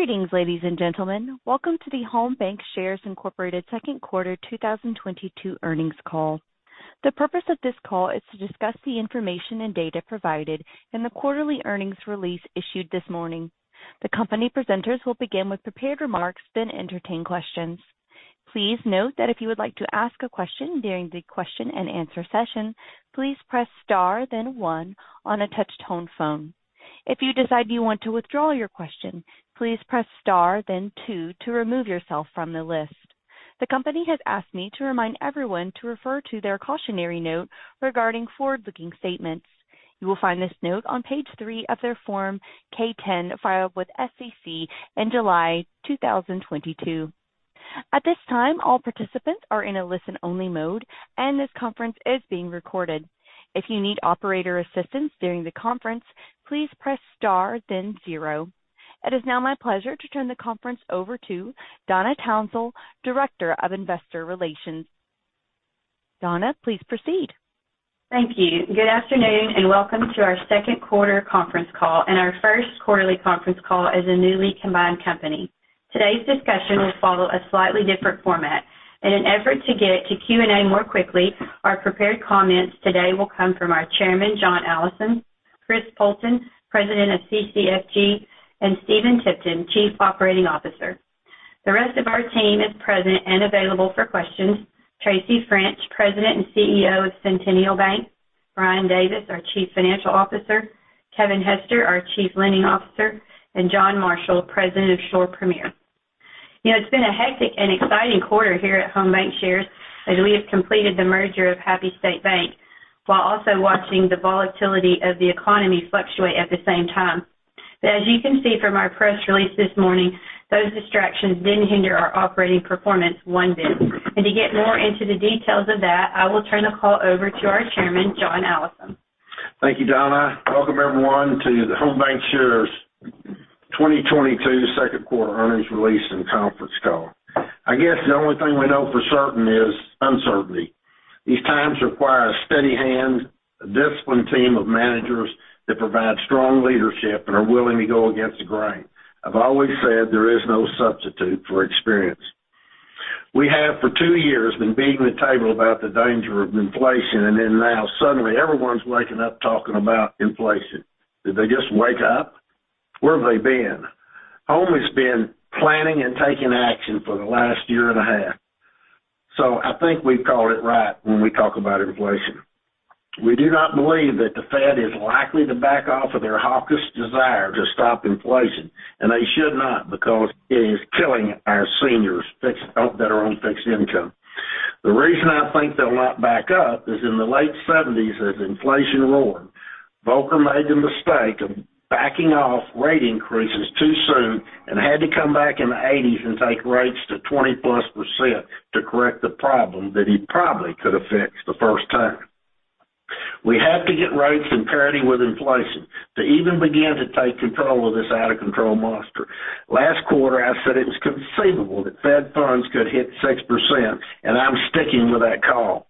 Greetings, ladies and gentlemen. Welcome to the Home BancShares, Inc. second quarter 2022 earnings call. The purpose of this call is to discuss the information and data provided in the quarterly earnings release issued this morning. The company presenters will begin with prepared remarks, then entertain questions. Please note that if you would like to ask a question during the question and answer session, please press star, then one on a touch-tone phone. If you decide you want to withdraw your question, please press star, then two to remove yourself from the list. The company has asked me to remind everyone to refer to their cautionary note regarding forward-looking statements. You will find this note on page three of their form 10-K filed with SEC in July 2022. At this time, all participants are in a listen-only mode, and this conference is being recorded. If you need operator assistance during the conference, please press Star, then zero. It is now my pleasure to turn the conference over to Donna Townsell, Director of Investor Relations. Donna, please proceed. Thank you. Good afternoon, and welcome to our second quarter conference call and our first quarterly conference call as a newly combined company. Today's discussion will follow a slightly different format. In an effort to get to Q&A more quickly, our prepared comments today will come from our Chairman, John Allison, Chris Poulton, President of CCFG, and Stephen Tipton, Chief Operating Officer. The rest of our team is present and available for questions, Tracy French, President and CEO of Centennial Bank, Brian Davis, our Chief Financial Officer, Kevin Hester, our Chief Lending Officer, and John Marshall, President of Shore Premier Finance. You know, it's been a hectic and exciting quarter here at Home BancShares as we have completed the merger of Happy State Bank, while also watching the volatility of the economy fluctuate at the same time. As you can see from our press release this morning, those distractions didn't hinder our operating performance one bit. To get more into the details of that, I will turn the call over to our Chairman, John Allison. Thank you, Donna. Welcome everyone to the Home BancShares 2022 second quarter earnings release and conference call. I guess the only thing we know for certain is uncertainty. These times require a steady hand, a disciplined team of managers that provide strong leadership and are willing to go against the grain. I've always said there is no substitute for experience. We have for two years been beating the table about the danger of inflation, and then now suddenly everyone's waking up talking about inflation. Did they just wake up? Where have they been? Home has been planning and taking action for the last year and a half. I think we've called it right when we talk about inflation. We do not believe that the Fed is likely to back off of their hawkish desire to stop inflation, and they should not because it is killing our seniors fixed that are on fixed income. The reason I think they'll not back up is in the late 1970s, as inflation roared, Volcker made the mistake of backing off rate increases too soon and had to come back in the 1980s and take rates to 20+% to correct the problem that he probably could have fixed the first time. We have to get rates in parity with inflation to even begin to take control of this out-of-control monster. Last quarter, I said it was conceivable that Fed funds could hit 6%, and I'm sticking with that call.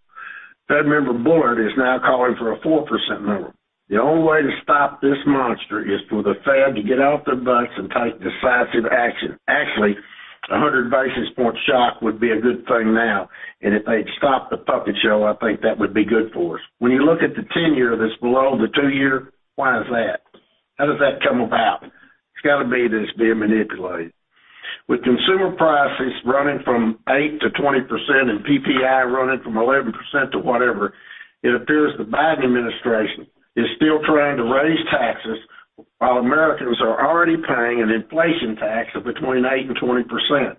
Fed Member Bullard is now calling for a 4% number. The only way to stop this monster is for the Fed to get off their butts and take decisive action. Actually, a 100 basis point shock would be a good thing now, and if they'd stop the puppet show, I think that would be good for us. When you look at the tenure that's below the two-year, why is that? How does that come about? It's gotta be that it's being manipulated. With consumer prices running 8%-20% and PPI running from 11% to whatever, it appears the Biden administration is still trying to raise taxes while Americans are already paying an inflation tax of between 8% and 20%.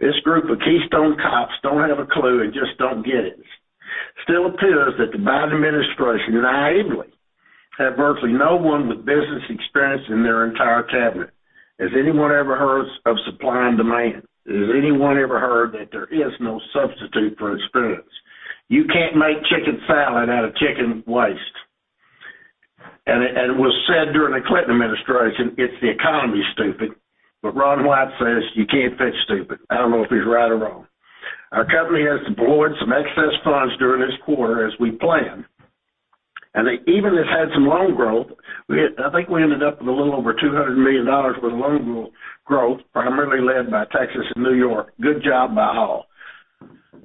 This group of Keystone Cops don't have a clue and just don't get it. Still appears that the Biden administration naively have virtually no one with business experience in their entire cabinet. Has anyone ever heard of supply and demand? Has anyone ever heard that there is no substitute for experience? You can't make chicken salad out of chicken waste. It was said during the Clinton administration, it's the economy, stupid, but Ron White says you can't fix stupid. I don't know if he's right or wrong. Our company has deployed some excess funds during this quarter as we planned. They even have had some loan growth. We had, I think, a little over $200 million worth of loan growth, primarily led by Texas and New York. Good job by all.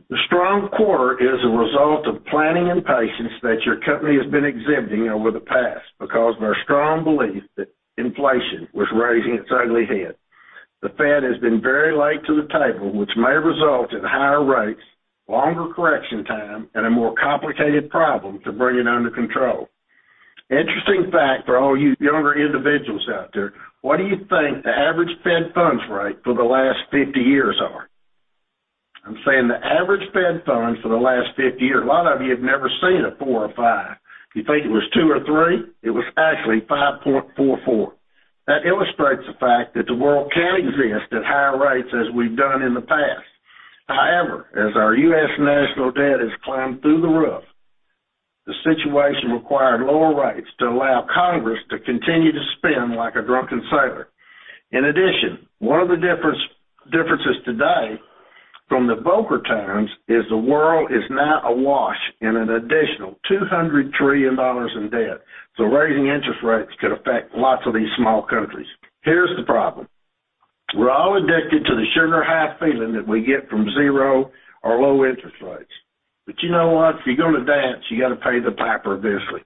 The strong quarter is a result of planning and patience that your company has been exhibiting over the past because of our strong belief that inflation was raising its ugly head. The Fed has been very late to the table, which may result in higher rates, longer correction time, and a more complicated problem to bring it under control. Interesting fact for all you younger individuals out there, what do you think the average Fed funds rate for the last 50 years are? I'm saying the average Fed funds for the last 50 years. A lot of you have never seen a four or five. You think it was two or three? It was actually 5.44. That illustrates the fact that the world can exist at higher rates as we've done in the past. However, as our U.S. national debt has climbed through the roof, the situation required lower rates to allow Congress to continue to spend like a drunken sailor. In addition, one of the differences today from the Volcker Times is the world is now awash in an additional $200 trillion in debt. Raising interest rates could affect lots of these small countries. Here's the problem. We're all addicted to the sugar high feeling that we get from zero or low interest rates. You know what? If you're going to dance, you got to pay the piper eventually.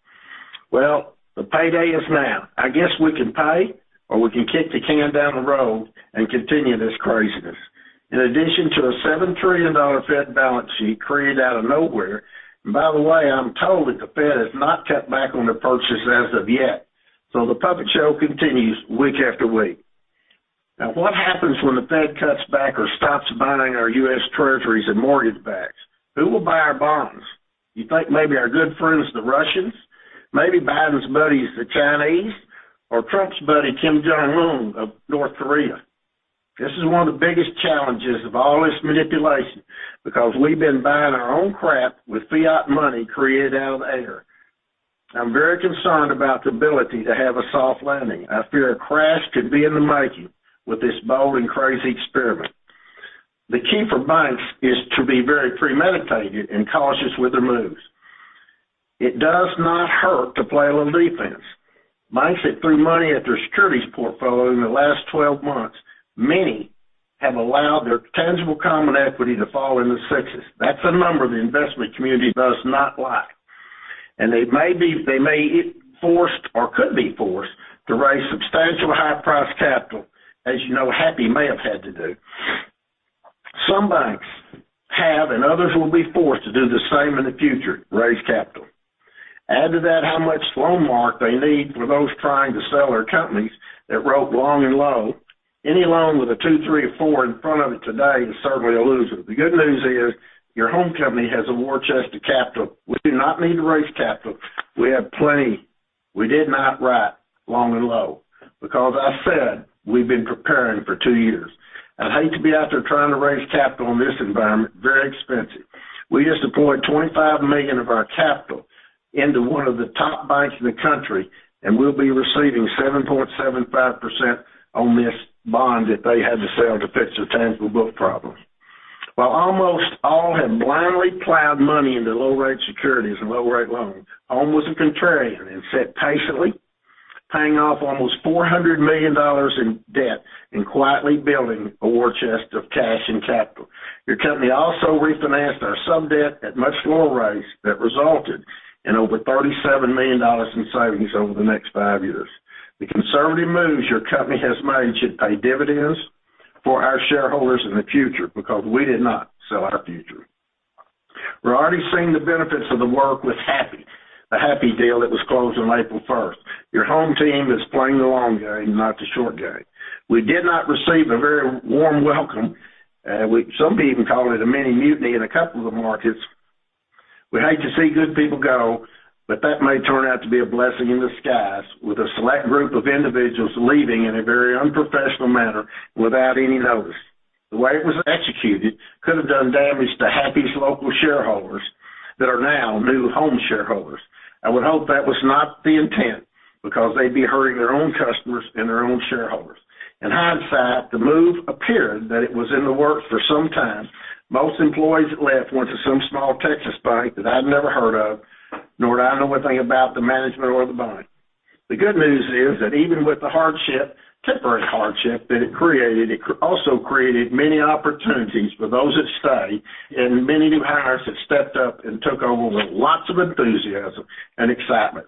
Well, the payday is now. I guess we can pay, or we can kick the can down the road and continue this craziness. In addition to a $7 trillion Fed balance sheet created out of nowhere, and by the way, I'm told that the Fed has not cut back on their purchases as of yet. The puppet show continues week after week. Now, what happens when the Fed cuts back or stops buying our U.S. Treasuries and mortgage backs? Who will buy our bonds? You think maybe our good friends, the Russians, maybe Biden's buddies, the Chinese, or Trump's buddy, Kim Jong-un of North Korea. This is one of the biggest challenges of all this manipulation because we've been buying our own crap with fiat money created out of air. I'm very concerned about the ability to have a soft landing. I fear a crash could be in the making with this bold and crazy experiment. The key for banks is to be very premeditated and cautious with their moves. It does not hurt to play a little defense. Banks that threw money at their securities portfolio in the last 12 months, many have allowed their tangible common equity to fall in the sixes. That's a number the investment community does not like. They may be forced or could be forced to raise substantial high-priced capital, as you know, Happy may have had to do. Some banks have, and others will be forced to do the same in the future, raise capital. Add to that how much loan markdown they need for those trying to sell their companies that wrote long and low. Any loan with a two, three, or four in front of it today is certainly a loser. The good news is your home company has a war chest of capital. We do not need to raise capital. We have plenty. We did not write long and low because I said we've been preparing for two years. I'd hate to be out there trying to raise capital in this environment. Very expensive. We just deployed $25 million of our capital into one of the top banks in the country, and we'll be receiving 7.75% on this bond that they had to sell to fix their tangible book problem. While almost all have blindly plowed money into low rate securities and low rate loans, Home was a contrarian and sat patiently, paying off almost $400 million in debt and quietly building a war chest of cash and capital. Your company also refinanced our sub-debt at much lower rates that resulted in over $37 million in savings over the next five years. The conservative moves your company has made should pay dividends for our shareholders in the future because we did not sell our future. We're already seeing the benefits of the work with Happy State Bank, the Happy State Bank deal that was closed on April 1. Your Home team is playing the long game, not the short game. We did not receive a very warm welcome. Some people called it a mini mutiny in a couple of markets. We hate to see good people go, but that may turn out to be a blessing in disguise with a select group of individuals leaving in a very unprofessional manner without any notice. The way it was executed could have done damage to Happy's local shareholders that are now new Home shareholders. I would hope that was not the intent because they'd be hurting their own customers and their own shareholders. In hindsight, the move appeared that it was in the works for some time. Most employees that left went to some small Texas bank that I'd never heard of, nor do I know anything about the management or the bank. The good news is that even with the hardship, temporary hardship that it created, it also created many opportunities for those that stay and many new hires that stepped up and took over with lots of enthusiasm and excitement.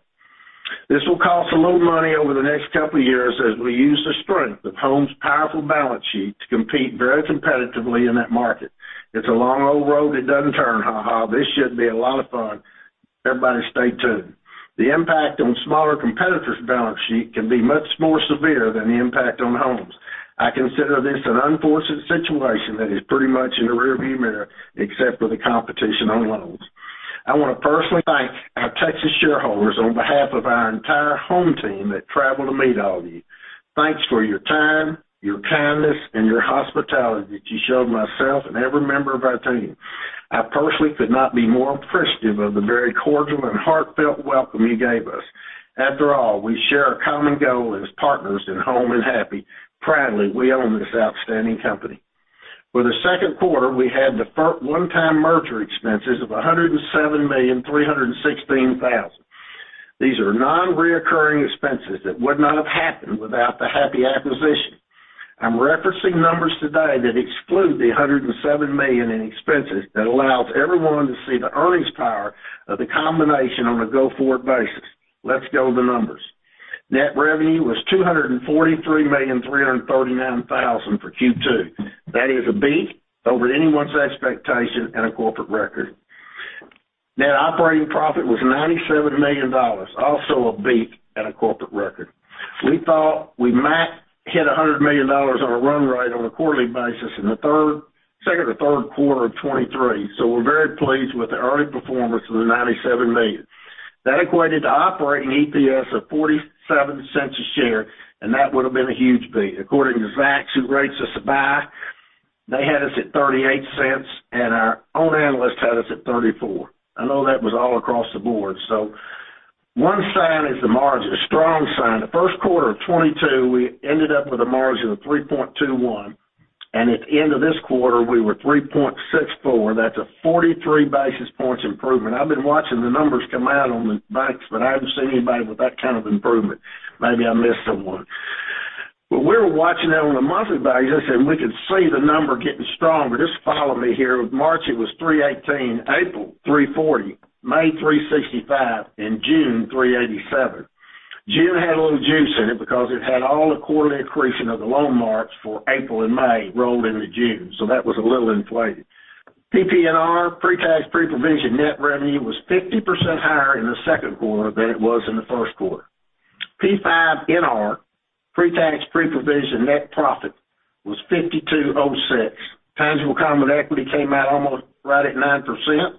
This will cost a little money over the next couple of years as we use the strength of Home's powerful balance sheet to compete very competitively in that market. It's a long, old road that doesn't turn, haha. This should be a lot of fun. Everybody stay tuned. The impact on smaller competitors' balance sheet can be much more severe than the impact on Home's. I consider this an unfortunate situation that is pretty much in the rearview mirror, except for the competition on loans. I want to personally thank our Texas shareholders on behalf of our entire Home team that traveled to meet all of you. Thanks for your time, your kindness, and your hospitality that you showed myself and every member of our team. I personally could not be more appreciative of the very cordial and heartfelt welcome you gave us. After all, we share a common goal as partners in Home and Happy. Proudly, we own this outstanding company. For the second quarter, we had one-time merger expenses of $107.316 million. These are non-recurring expenses that would not have happened without the Happy acquisition. I'm referencing numbers today that exclude the $107 million in expenses that allows everyone to see the earnings power of the combination on a go-forward basis. Let's go to the numbers. Net revenue was $243.339 million for Q2. That is a beat over anyone's expectation and a corporate record. Net operating profit was $97 million, also a beat and a corporate record. We thought we might hit $100 million on a run rate on a quarterly basis in the second or third quarter of 2023. We're very pleased with the early performance of the $97 million. That equated to operating EPS of 47 cents a share, and that would have been a huge beat. According to Zacks, who rates us a buy, they had us at 38 cents, and our own analyst had us at 34 cents. I know that was all across the board. One sign is the margin, a strong sign. The first quarter of 2022, we ended up with a margin of 3.21, and at the end of this quarter, we were 3.64. That's a 43 basis points improvement. I've been watching the numbers come out on the banks, but I haven't seen anybody with that kind of improvement. Maybe I missed someone. We're watching that on a monthly basis, and we can see the number getting stronger. Just follow me here. March, it was 318. April, 340. May, 365. In June, 387. June had a little juice in it because it had all the quarterly accretion of the loan marks for April and May rolled into June, so that was a little inflated. PPNR, Pre-Tax Pre-Provision Net Revenue, was 50% higher in the second quarter than it was in the first quarter. PPNR, Pre-Tax Pre-Provision Net Profit, was 5,206. Tangible common equity came out almost right at 9%.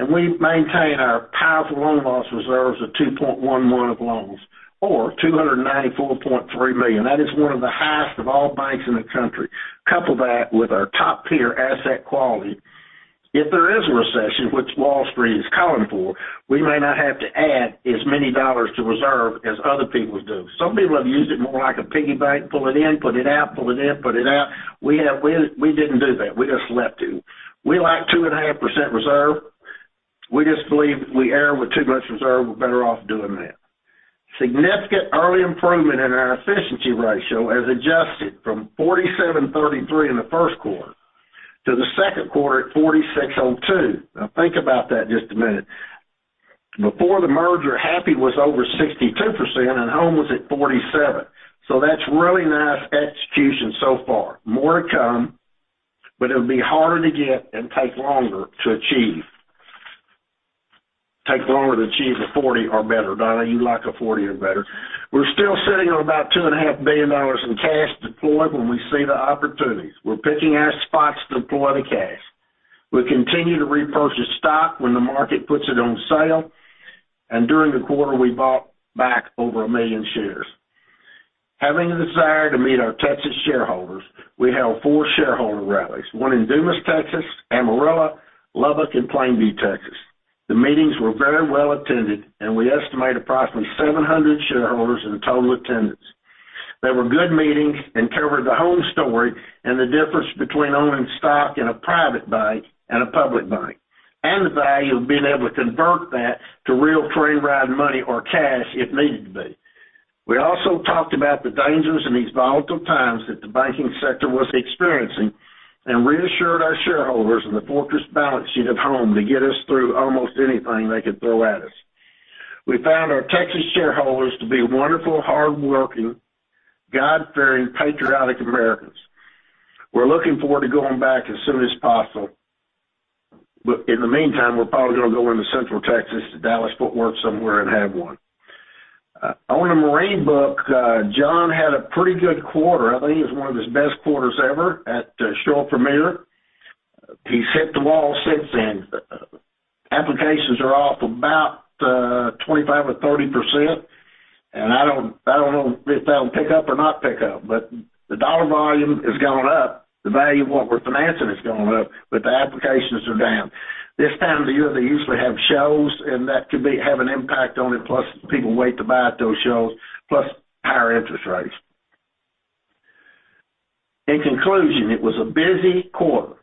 We've maintained our powerful loan loss reserves of 2.11% of loans or $294.3 million. That is one of the highest of all banks in the country. Couple that with our top-tier asset quality. If there is a recession, which Wall Street is calling for, we may not have to add as many dollars to reserve as other people do. Some people have used it more like a piggy bank. Pull it in, pull it out, pull it in, pull it out. We didn't do that. We just left it. We like 2.5% reserve. We just believe if we err with too much reserve, we're better off doing that. Significant early improvement in our efficiency ratio as adjusted from 47.33% in the first quarter to the second quarter at 46.02%. Now think about that just a minute. Before the merger, Happy was over 62% and Home was at 47. That's really nice execution so far. More to come, but it'll be harder to get and take longer to achieve. Take longer to achieve the 40 or better. Donna, you like a 40 or better. We're still sitting on about $2.5 billion in cash deployed when we see the opportunities. We're picking our spots to deploy the cash. We continue to repurchase stock when the market puts it on sale, and during the quarter, we bought back over 1 million shares. Having the desire to meet our Texas shareholders, we held 4 shareholder rallies, one in Dumas, Texas, Amarillo, Lubbock, and Plainview, Texas. The meetings were very well attended, and we estimate approximately 700 shareholders in total attendance. They were good meetings and covered the Home story and the difference between owning stock in a private bank and a public bank, and the value of being able to convert that to real rainy day money or cash if needed to be. We also talked about the dangers in these volatile times that the banking sector was experiencing and reassured our shareholders in the fortress balance sheet of Home to get us through almost anything they could throw at us. We found our Texas shareholders to be wonderful, hardworking, God-fearing, patriotic Americans. We're looking forward to going back as soon as possible. In the meantime, we're probably gonna go into Central Texas, to Dallas-Fort Worth somewhere and have one. On a marine book, John had a pretty good quarter. I think it's one of his best quarters ever at the Shore Premier. He's hit the wall since then. Applications are off about 25 or 30%, and I don't know if they'll pick up or not pick up. The dollar volume has gone up. The value of what we're financing has gone up, but the applications are down. This time of the year, they usually have shows and that could have an impact on it, plus people wait to buy at those shows, plus higher interest rates. In conclusion, it was a busy quarter,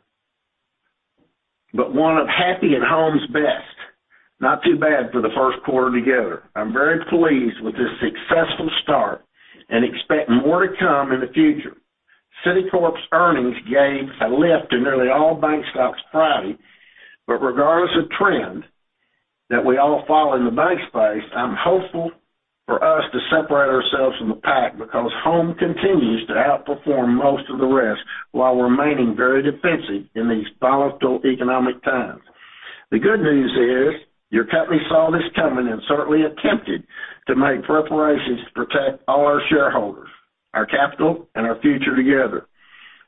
but one of Happy and Home's best. Not too bad for the first quarter together. I'm very pleased with this successful start and expect more to come in the future. Citigroup's earnings gave a lift to nearly all bank stocks Friday. Regardless of trend that we all follow in the bank space, I'm hopeful for us to separate ourselves from the pack because Home continues to outperform most of the rest while remaining very defensive in these volatile economic times. The good news is your company saw this coming and certainly attempted to make preparations to protect all our shareholders, our capital and our future together.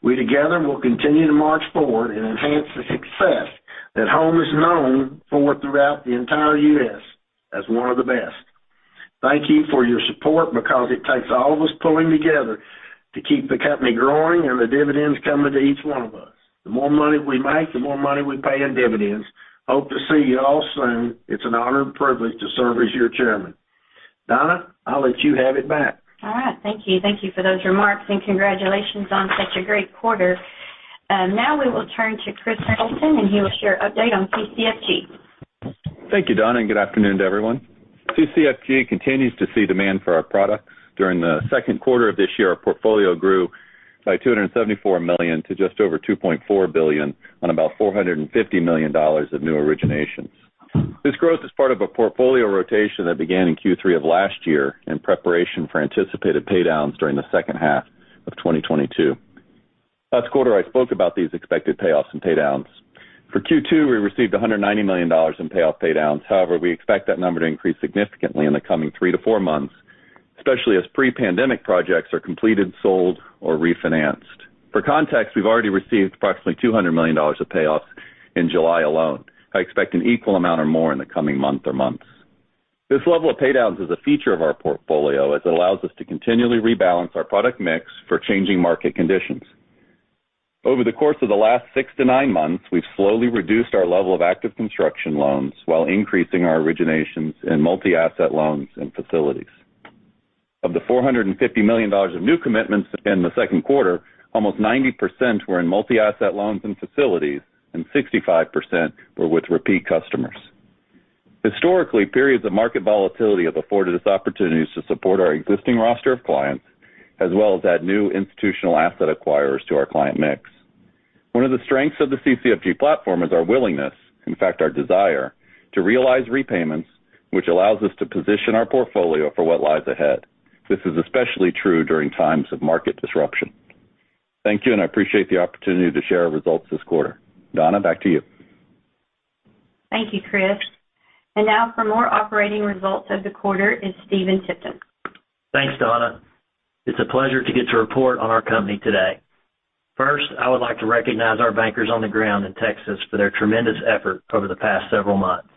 We together will continue to march forward and enhance the success that Home is known for throughout the entire U.S. as one of the best. Thank you for your support because it takes all of us pulling together to keep the company growing and the dividends coming to each one of us. The more money we make, the more money we pay in dividends. Hope to see you all soon. It's an honor and privilege to serve as your chairman. Donna, I'll let you have it back. All right. Thank you. Thank you for those remarks, and congratulations on such a great quarter. Now we will turn to Christopher C. Poulton, and he will share update on CCFG. Thank you, Donna, and good afternoon to everyone. CCFG continues to see demand for our products. During the second quarter of this year, our portfolio grew by $274 million to just over $2.4 billion on about $450 million of new originations. This growth is part of a portfolio rotation that began in Q3 of last year in preparation for anticipated pay downs during the second half of 2022. Last quarter, I spoke about these expected payoffs and pay downs. For Q2, we received $190 million in payoff pay downs. However, we expect that number to increase significantly in the coming three to four months, especially as pre-pandemic projects are completed, sold, or refinanced. For context, we've already received approximately $200 million of payoffs in July alone. I expect an equal amount or more in the coming month or months. This level of pay downs is a feature of our portfolio as it allows us to continually rebalance our product mix for changing market conditions. Over the course of the last 6-9 months, we've slowly reduced our level of active construction loans while increasing our originations in multi-asset loans and facilities. Of the $450 million of new commitments in the second quarter, almost 90% were in multi-asset loans and facilities, and 65% were with repeat customers. Historically, periods of market volatility have afforded us opportunities to support our existing roster of clients, as well as add new institutional asset acquirers to our client mix. One of the strengths of the CCFG platform is our willingness, in fact, our desire, to realize repayments, which allows us to position our portfolio for what lies ahead. This is especially true during times of market disruption. Thank you, and I appreciate the opportunity to share our results this quarter. Donna, back to you. Thank you, Chris. Now for more operating results of the quarter is Stephen Tipton. Thanks, Donna. It's a pleasure to get to report on our company today. First, I would like to recognize our bankers on the ground in Texas for their tremendous effort over the past several months.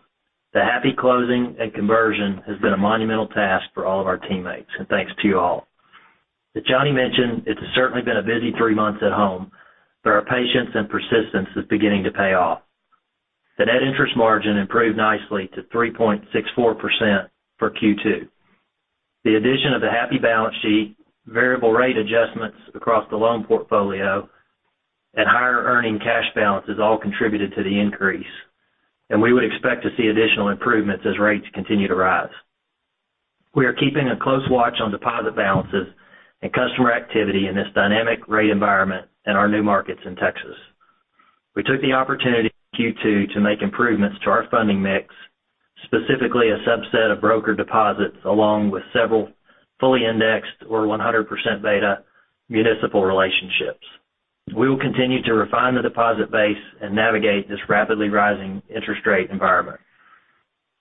The Happy closing and conversion has been a monumental task for all of our teammates, and thanks to you all. As Johnny mentioned, it's certainly been a busy three months at Home, but our patience and persistence is beginning to pay off. The net interest margin improved nicely to 3.64% for Q2. The addition of the Happy balance sheet, variable rate adjustments across the loan portfolio, and higher earning cash balances all contributed to the increase, and we would expect to see additional improvements as rates continue to rise. We are keeping a close watch on deposit balances and customer activity in this dynamic rate environment in our new markets in Texas. We took the opportunity in Q2 to make improvements to our funding mix, specifically a subset of broker deposits along with several fully indexed or 100% beta municipal relationships. We will continue to refine the deposit base and navigate this rapidly rising interest rate environment.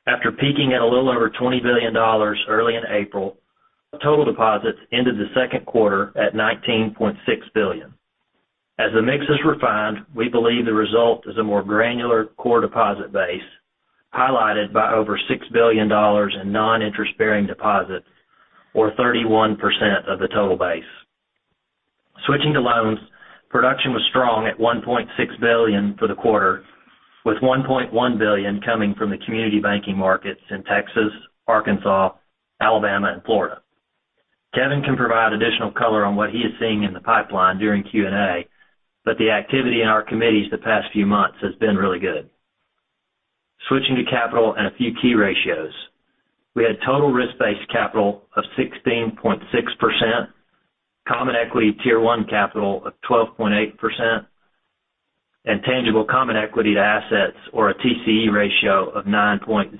After peaking at a little over $20 billion early in April, total deposits ended the second quarter at $19.6 billion. As the mix is refined, we believe the result is a more granular core deposit base, highlighted by over $6 billion in non-interest-bearing deposits or 31% of the total base. Switching to loans, production was strong at $1.6 billion for the quarter, with $1.1 billion coming from the community banking markets in Texas, Arkansas, Alabama, and Florida. Kevin can provide additional color on what he is seeing in the pipeline during Q&A, but the activity in our committees the past few months has been really good. Switching to capital and a few key ratios, we had total risk-based capital of 16.6%, common equity tier one capital of 12.8%, and tangible common equity to assets or a TCE ratio of 9.01%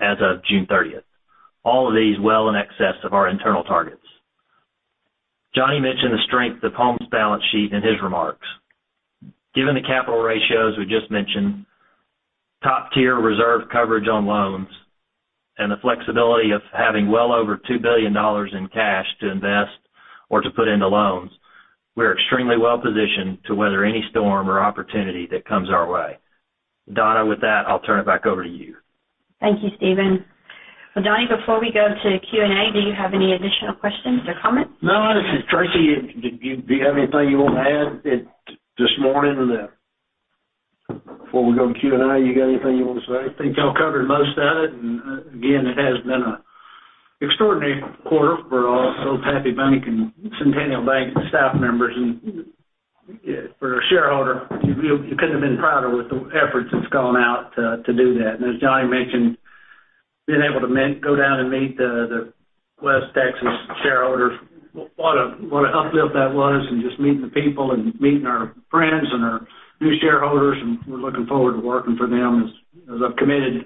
as of June thirtieth. All of these well in excess of our internal targets. John mentioned the strength of Home's balance sheet in his remarks. Given the capital ratios we just mentioned, top-tier reserve coverage on loans, and the flexibility of having well over $2 billion in cash to invest or to put into loans, we're extremely well positioned to weather any storm or opportunity that comes our way. Donna, with that, I'll turn it back over to you. Thank you, Stephen. Well, John, before we go to Q&A, do you have any additional questions or comments? No. Tracy, do you have anything you want to add this morning or before we go to Q&A, you got anything you want to say? I think y'all covered most of it. Again, it has been an extraordinary quarter for all both Happy State Bank and Centennial Bank staff members. For a shareholder, you couldn't have been prouder with the efforts that's gone out to do that. As John mentioned, being able to go down and meet the West Texas shareholders, what an uplift that was, and just meeting the people and meeting our friends and our new shareholders, and we're looking forward to working for them. As I've committed,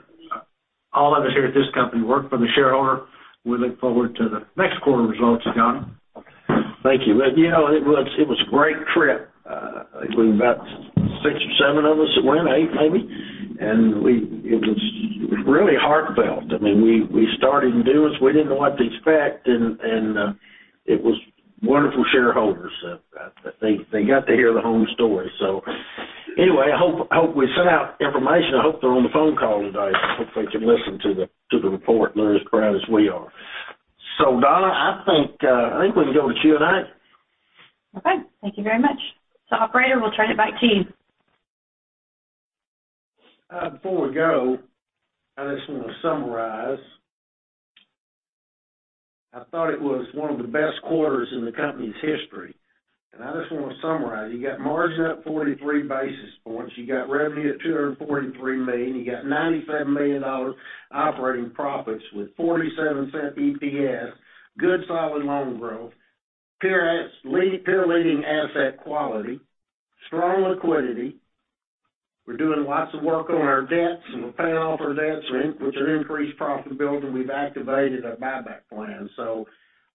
all of us here at this company work for the shareholder. We look forward to the next quarter results, Donna Townsell. Thank you. You know, it was a great trip. It was about six or seven of us that went, eight, maybe. It was really heartfelt. We started and do this, we didn't know what to expect, it was wonderful, shareholders. They got to hear the Home story. Anyway, I hope we sent out information. I hope they're on the phone call today. Hopefully, they can listen to the report, and they're as proud as we are. Donna, I think we can go to Q&A. Okay, thank you very much. Operator, we'll turn it back to you. Before we go, I just want to summarize. I thought it was one of the best quarters in the company's history, and I just want to summarize. You got margin up 43 basis points. You got revenue at $243 million. You got $97 million operating profits with $0.47 EPS, good solid loan growth, peer leading asset quality, strong liquidity. We're doing lots of work on our debts, and we're paying off our debts, in which are increased profitability. We've activated our buyback plan.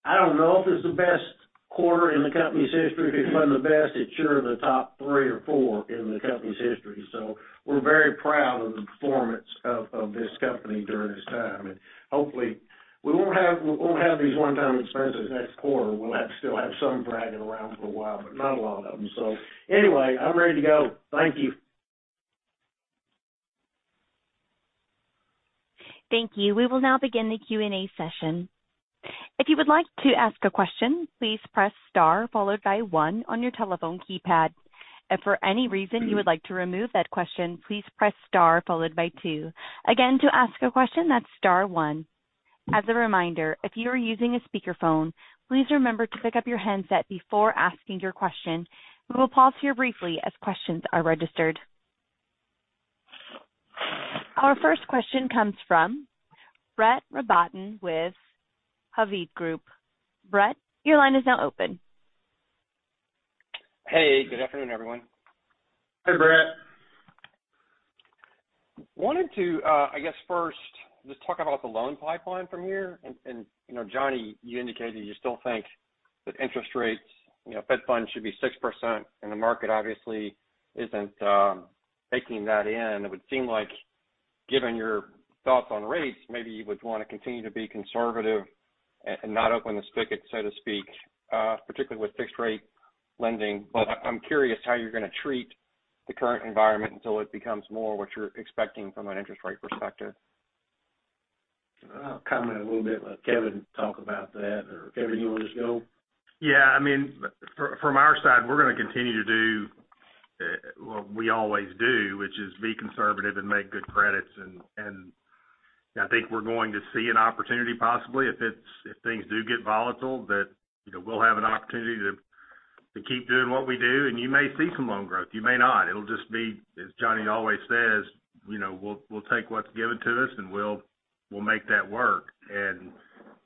I don't know if it's the best quarter in the company's history. If it's one of the best, it's sure the top three or four in the company's history. We're very proud of the performance of this company during this time. Hopefully, we won't have these one-time expenses next quarter. still have some dragging around for a while, but not a lot of them. Anyway, I'm ready to go. Thank you. Thank you. We will now begin the Q&A session. If you would like to ask a question, please press star followed by one on your telephone keypad. If for any reason you would like to remove that question, please press star followed by two. Again, to ask a question, that's star one. As a reminder, if you are using a speakerphone, please remember to pick up your handset before asking your question. We will pause here briefly as questions are registered. Our first question comes from Brett Rabatin with Hovde Group. Brett, your line is now open. Hey, good afternoon, everyone. Hey, Brett. Wanted to, I guess first, just talk about the loan pipeline from here. You know, Johnny, you indicated you still think that interest rates, you know, Fed funds should be 6% and the market obviously isn't taking that in. It would seem like, given your thoughts on rates, maybe you would want to continue to be conservative and not open the spigot, so to speak, particularly with fixed rate lending. I'm curious how you're going to treat the current environment until it becomes more what you're expecting from an interest rate perspective. I'll comment a little bit and let Kevin talk about that. Kevin, do you want to just go? Yeah, I mean, from our side, we're going to continue to do what we always do, which is be conservative and make good credits. I think we're going to see an opportunity possibly if things do get volatile, that, you know, we'll have an opportunity to keep doing what we do, and you may see some loan growth. You may not. It'll just be, as Johnny always says, you know, we'll take what's given to us, and we'll make that work.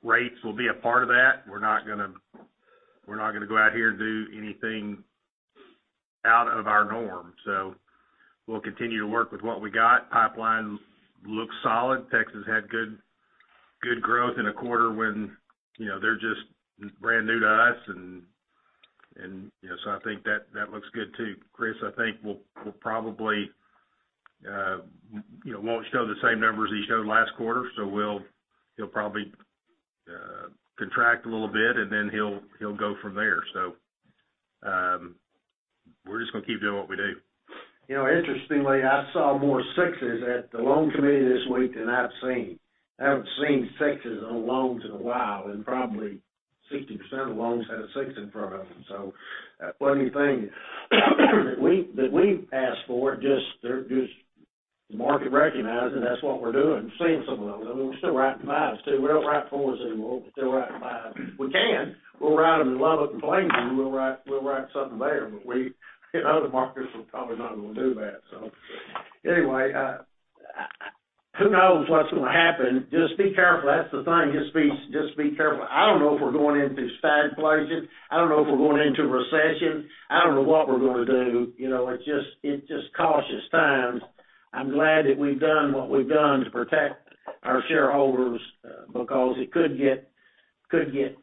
Rates will be a part of that. We're not gonna go out here and do anything out of our norm. We'll continue to work with what we got. Pipeline looks solid. Texas had good growth in a quarter when, you know, they're just brand new to us, and you know, so I think that looks good too. Chris, I think will probably, you know, won't show the same numbers he showed last quarter, so he'll probably contract a little bit, and then he'll go from there. We're just going to keep doing what we do. You know, interestingly, I saw more sixes at the loan committee this week than I've seen. I haven't seen sixes on loans in a while, and probably 60% of loans had a six in front of them. A funny thing, that we've asked for. They're just the market recognizing that's what we're doing. Seeing some of those. I mean, we're still writing fives too. We don't write fours anymore, but we're still writing fives. We can. We'll write them in Lubbock and Plainview. We'll write something there, but we, in other markets, we're probably not going to do that. Anyway, who knows what's going to happen. Just be careful. That's the thing. Just be careful. I don't know if we're going into stagflation. I don't know if we're going into recession. I don't know what we're going to do. You know, it's just cautious times. I'm glad that we've done what we've done to protect our shareholders because it could get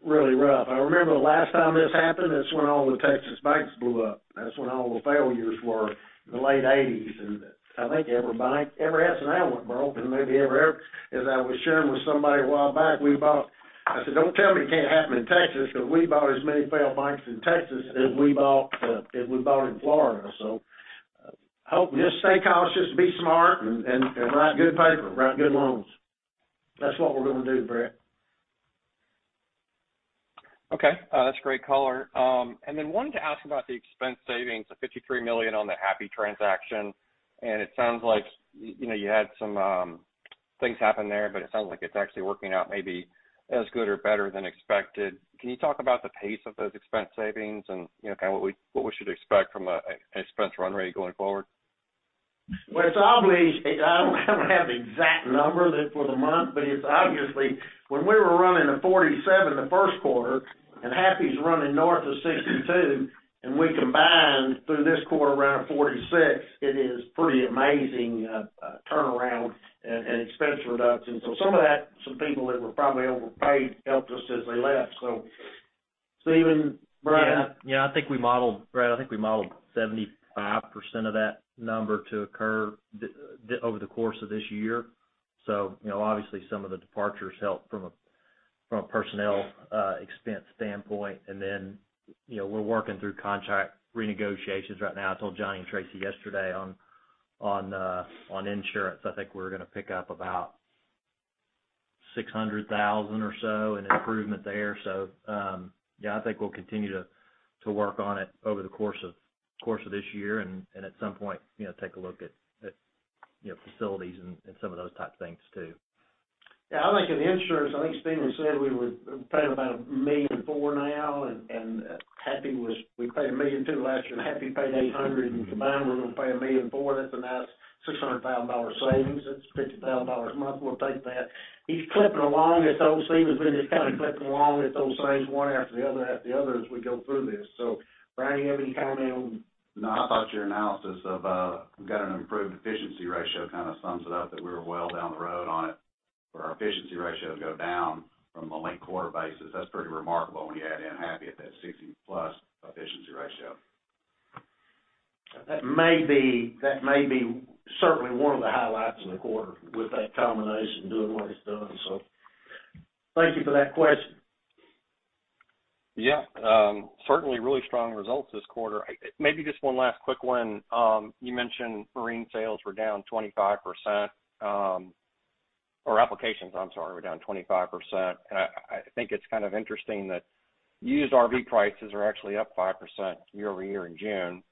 really rough. I remember the last time this happened. That's when all the Texas banks blew up. That's when all the failures were in the late eighties. I think every bank, every S&L went broke, as I was sharing with somebody a while back, we bought. I said, "Don't tell me it can't happen in Texas, because we bought as many failed banks in Texas as we bought in Florida." Just stay cautious, be smart, and write good paper, write good loans. That's what we're gonna do, Brett. Okay, that's a great color. Wanted to ask about the expense savings of $53 million on the Happy transaction, and it sounds like, you know, you had some things happen there, but it sounds like it's actually working out maybe as good or better than expected. Can you talk about the pace of those expense savings and, you know, kind of what we should expect from an expense run rate going forward? Well, it's obviously I don't have the exact number that for the month, but it's obviously when we were running the 47% the first quarter and Happy State Bank's running north of 62% and we combined through this quarter around a 46%, it is pretty amazing turnaround and expense reduction. Some of that, some people that were probably overpaid helped us as they left. Stephen, Brett. Yeah. Yeah, I think we modeled, Brett, seventy-five percent of that number to occur over the course of this year. You know, obviously some of the departures helped from a personnel expense standpoint. You know, we're working through contract renegotiations right now. I told Johnny and Tracy yesterday on insurance, I think we're going to pick up about $600,000 or so in improvement there. Yeah, I think we'll continue to work on it over the course of this year and at some point, you know, take a look at facilities and some of those type things too. Yeah, I think in the insurance, I think Stephen said we were paying about $1.4 million now, and we paid $1.2 million last year, and Happy paid $800,000. Combined, we're gonna pay $1.4 million. That's a nice $600,000 savings. That's $50,000 a month. We'll take that. He's clipping along. It's old Stephen's been just kind of clipping along. It's those savings one after the other as we go through this. Brian, you have any comment on? No. I thought your analysis of, we've got an improved efficiency ratio kind of sums it up, that we were well down the road on it. For our efficiency ratio to go down from a linked-quarter basis, that's pretty remarkable when you add in Happy at that 60+ efficiency ratio. That may be certainly one of the highlights of the quarter with that combination doing what it's doing. Thank you for that question. Yeah. Certainly really strong results this quarter. Maybe just one last quick one. You mentioned marine sales were down 25%, or applications, I'm sorry, were down 25%. I think it's kind of interesting that used RV prices are actually up 5% year-over-year in June.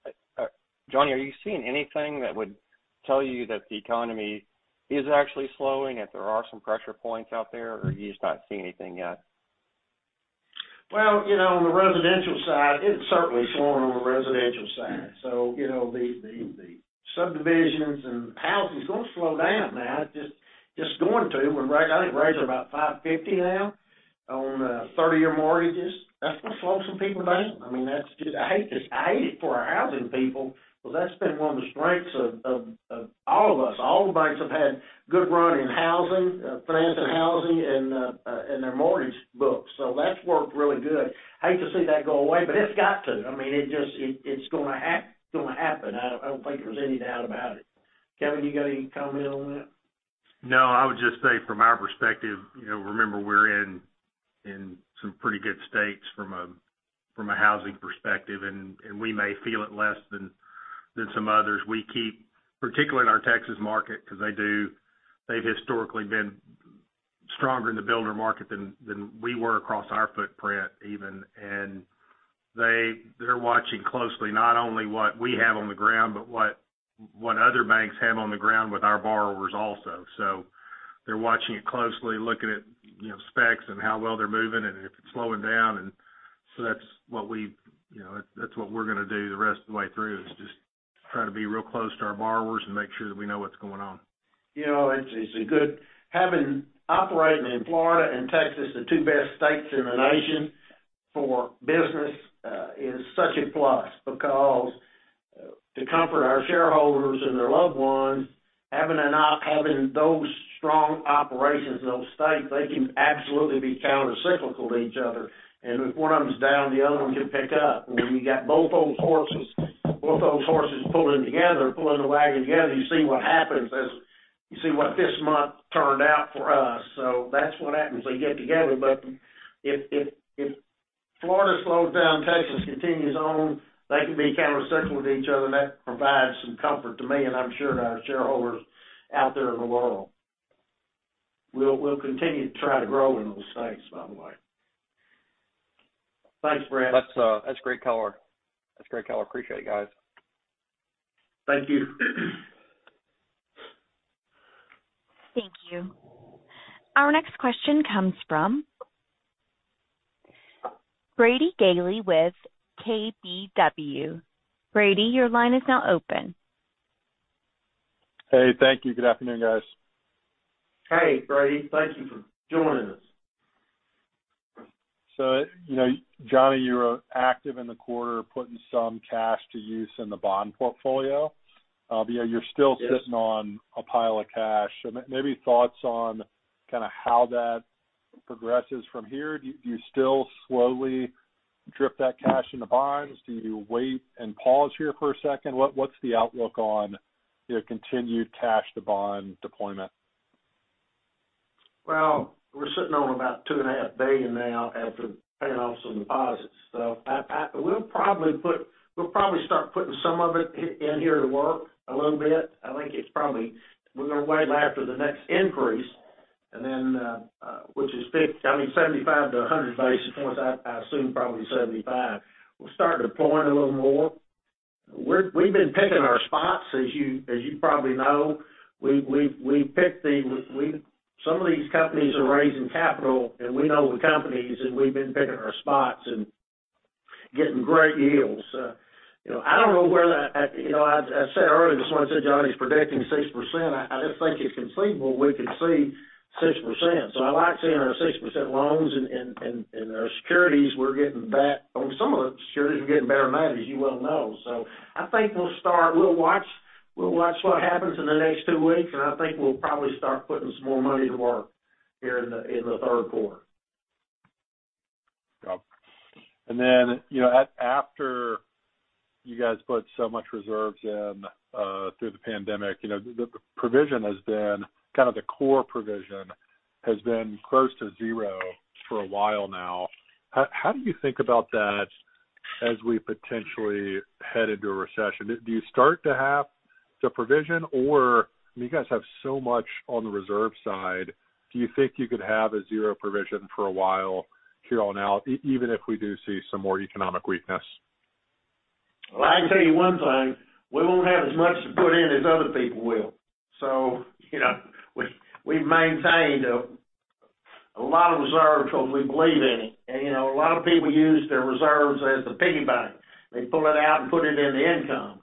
Johnny, are you seeing anything that would tell you that the economy is actually slowing, that there are some pressure points out there, or you just not seeing anything yet? Well, you know, on the residential side, it's certainly slowing on the residential side. You know, the subdivisions and houses gonna slow down now, just going to. I think rates are about 5.50% now on 30-year mortgages. That's gonna slow some people down. I mean, that's just. I hate this. I hate it for our housing people, because that's been one of the strengths of all of us. All the banks have had good run in housing, financing housing and their mortgage books. That's worked really good. Hate to see that go away, but it's got to. I mean, it just, it's gonna happen. I don't think there's any doubt about it. Kevin, you got any comment on that? No, I would just say from our perspective, you know, remember, we're in some pretty good states from a housing perspective, and we may feel it less than some others. We keep particularly in our Texas market, because they've historically been stronger in the builder market than we were across our footprint even. They're watching closely not only what we have on the ground, but what other banks have on the ground with our borrowers also. They're watching it closely, looking at, you know, specs and how well they're moving and if it's slowing down. You know, that's what we're gonna do the rest of the way through, is just try to be real close to our borrowers and make sure that we know what's going on. You know, it's a good having operations in Florida and Texas, the two best states in the nation for business, is such a plus because to comfort our shareholders and their loved ones, having those strong operations in those states, they can absolutely be countercyclical to each other. If one of them is down, the other one can pick up. When we got both those horses pulling together, pulling the wagon together, you see what happens, you see what this month turned out for us. That's what happens. They get together. If Florida slows down, Texas continues on, they can be countercyclical with each other, and that provides some comfort to me and I'm sure to our shareholders out there in the world. We'll continue to try to grow in those states, by the way. Thanks, Brett Rabatin. That's great color. Appreciate it, guys. Thank you. Thank you. Our next question comes from Brady Gailey with KBW. Brady, your line is now open. Hey, thank you. Good afternoon, guys. Hey, Brady. Thank you for joining us. You know, Johnny, you were active in the quarter, putting some cash to use in the bond portfolio. You're still- Yes. Sitting on a pile of cash. Maybe thoughts on kinda how that progresses from here. Do you still slowly drip that cash into bonds? Do you wait and pause here for a second? What's the outlook on your continued cash to bond deployment? Well, we're sitting on about $2.5 billion now after paying off some deposits. We'll probably start putting some of it in here to work a little bit. I think it's probably. We're gonna wait after the next increase and then, which is 75-100 basis points. I assume probably 75. We'll start deploying a little more. We've been picking our spots, as you probably know. We've picked. Some of these companies are raising capital, and we know the companies, and we've been picking our spots and getting great yields. You know, I don't know whether, you know, as I said earlier, this morning, said Johnny's predicting 6%. I just think it's conceivable we could see 6%. I like seeing our 6% loans and our securities, we're getting back. On some of the securities, we're getting better than that, as you well know. I think we'll start. We'll watch what happens in the next 2 weeks, and I think we'll probably start putting some more money to work here in the third quarter. Yep. You know, after you guys put so much reserves in through the pandemic, you know, the core provision has been close to zero for a while now. How do you think about that as we potentially head into a recession? Do you start to have the provision, or do you guys have so much on the reserve side, do you think you could have a zero provision for a while here on out even if we do see some more economic weakness? Well, I can tell you one thing, we won't have as much to put in as other people will. You know, we've maintained a lot of reserves because we believe in it. You know, a lot of people use their reserves as the piggy bank. They pull it out and put it in the income.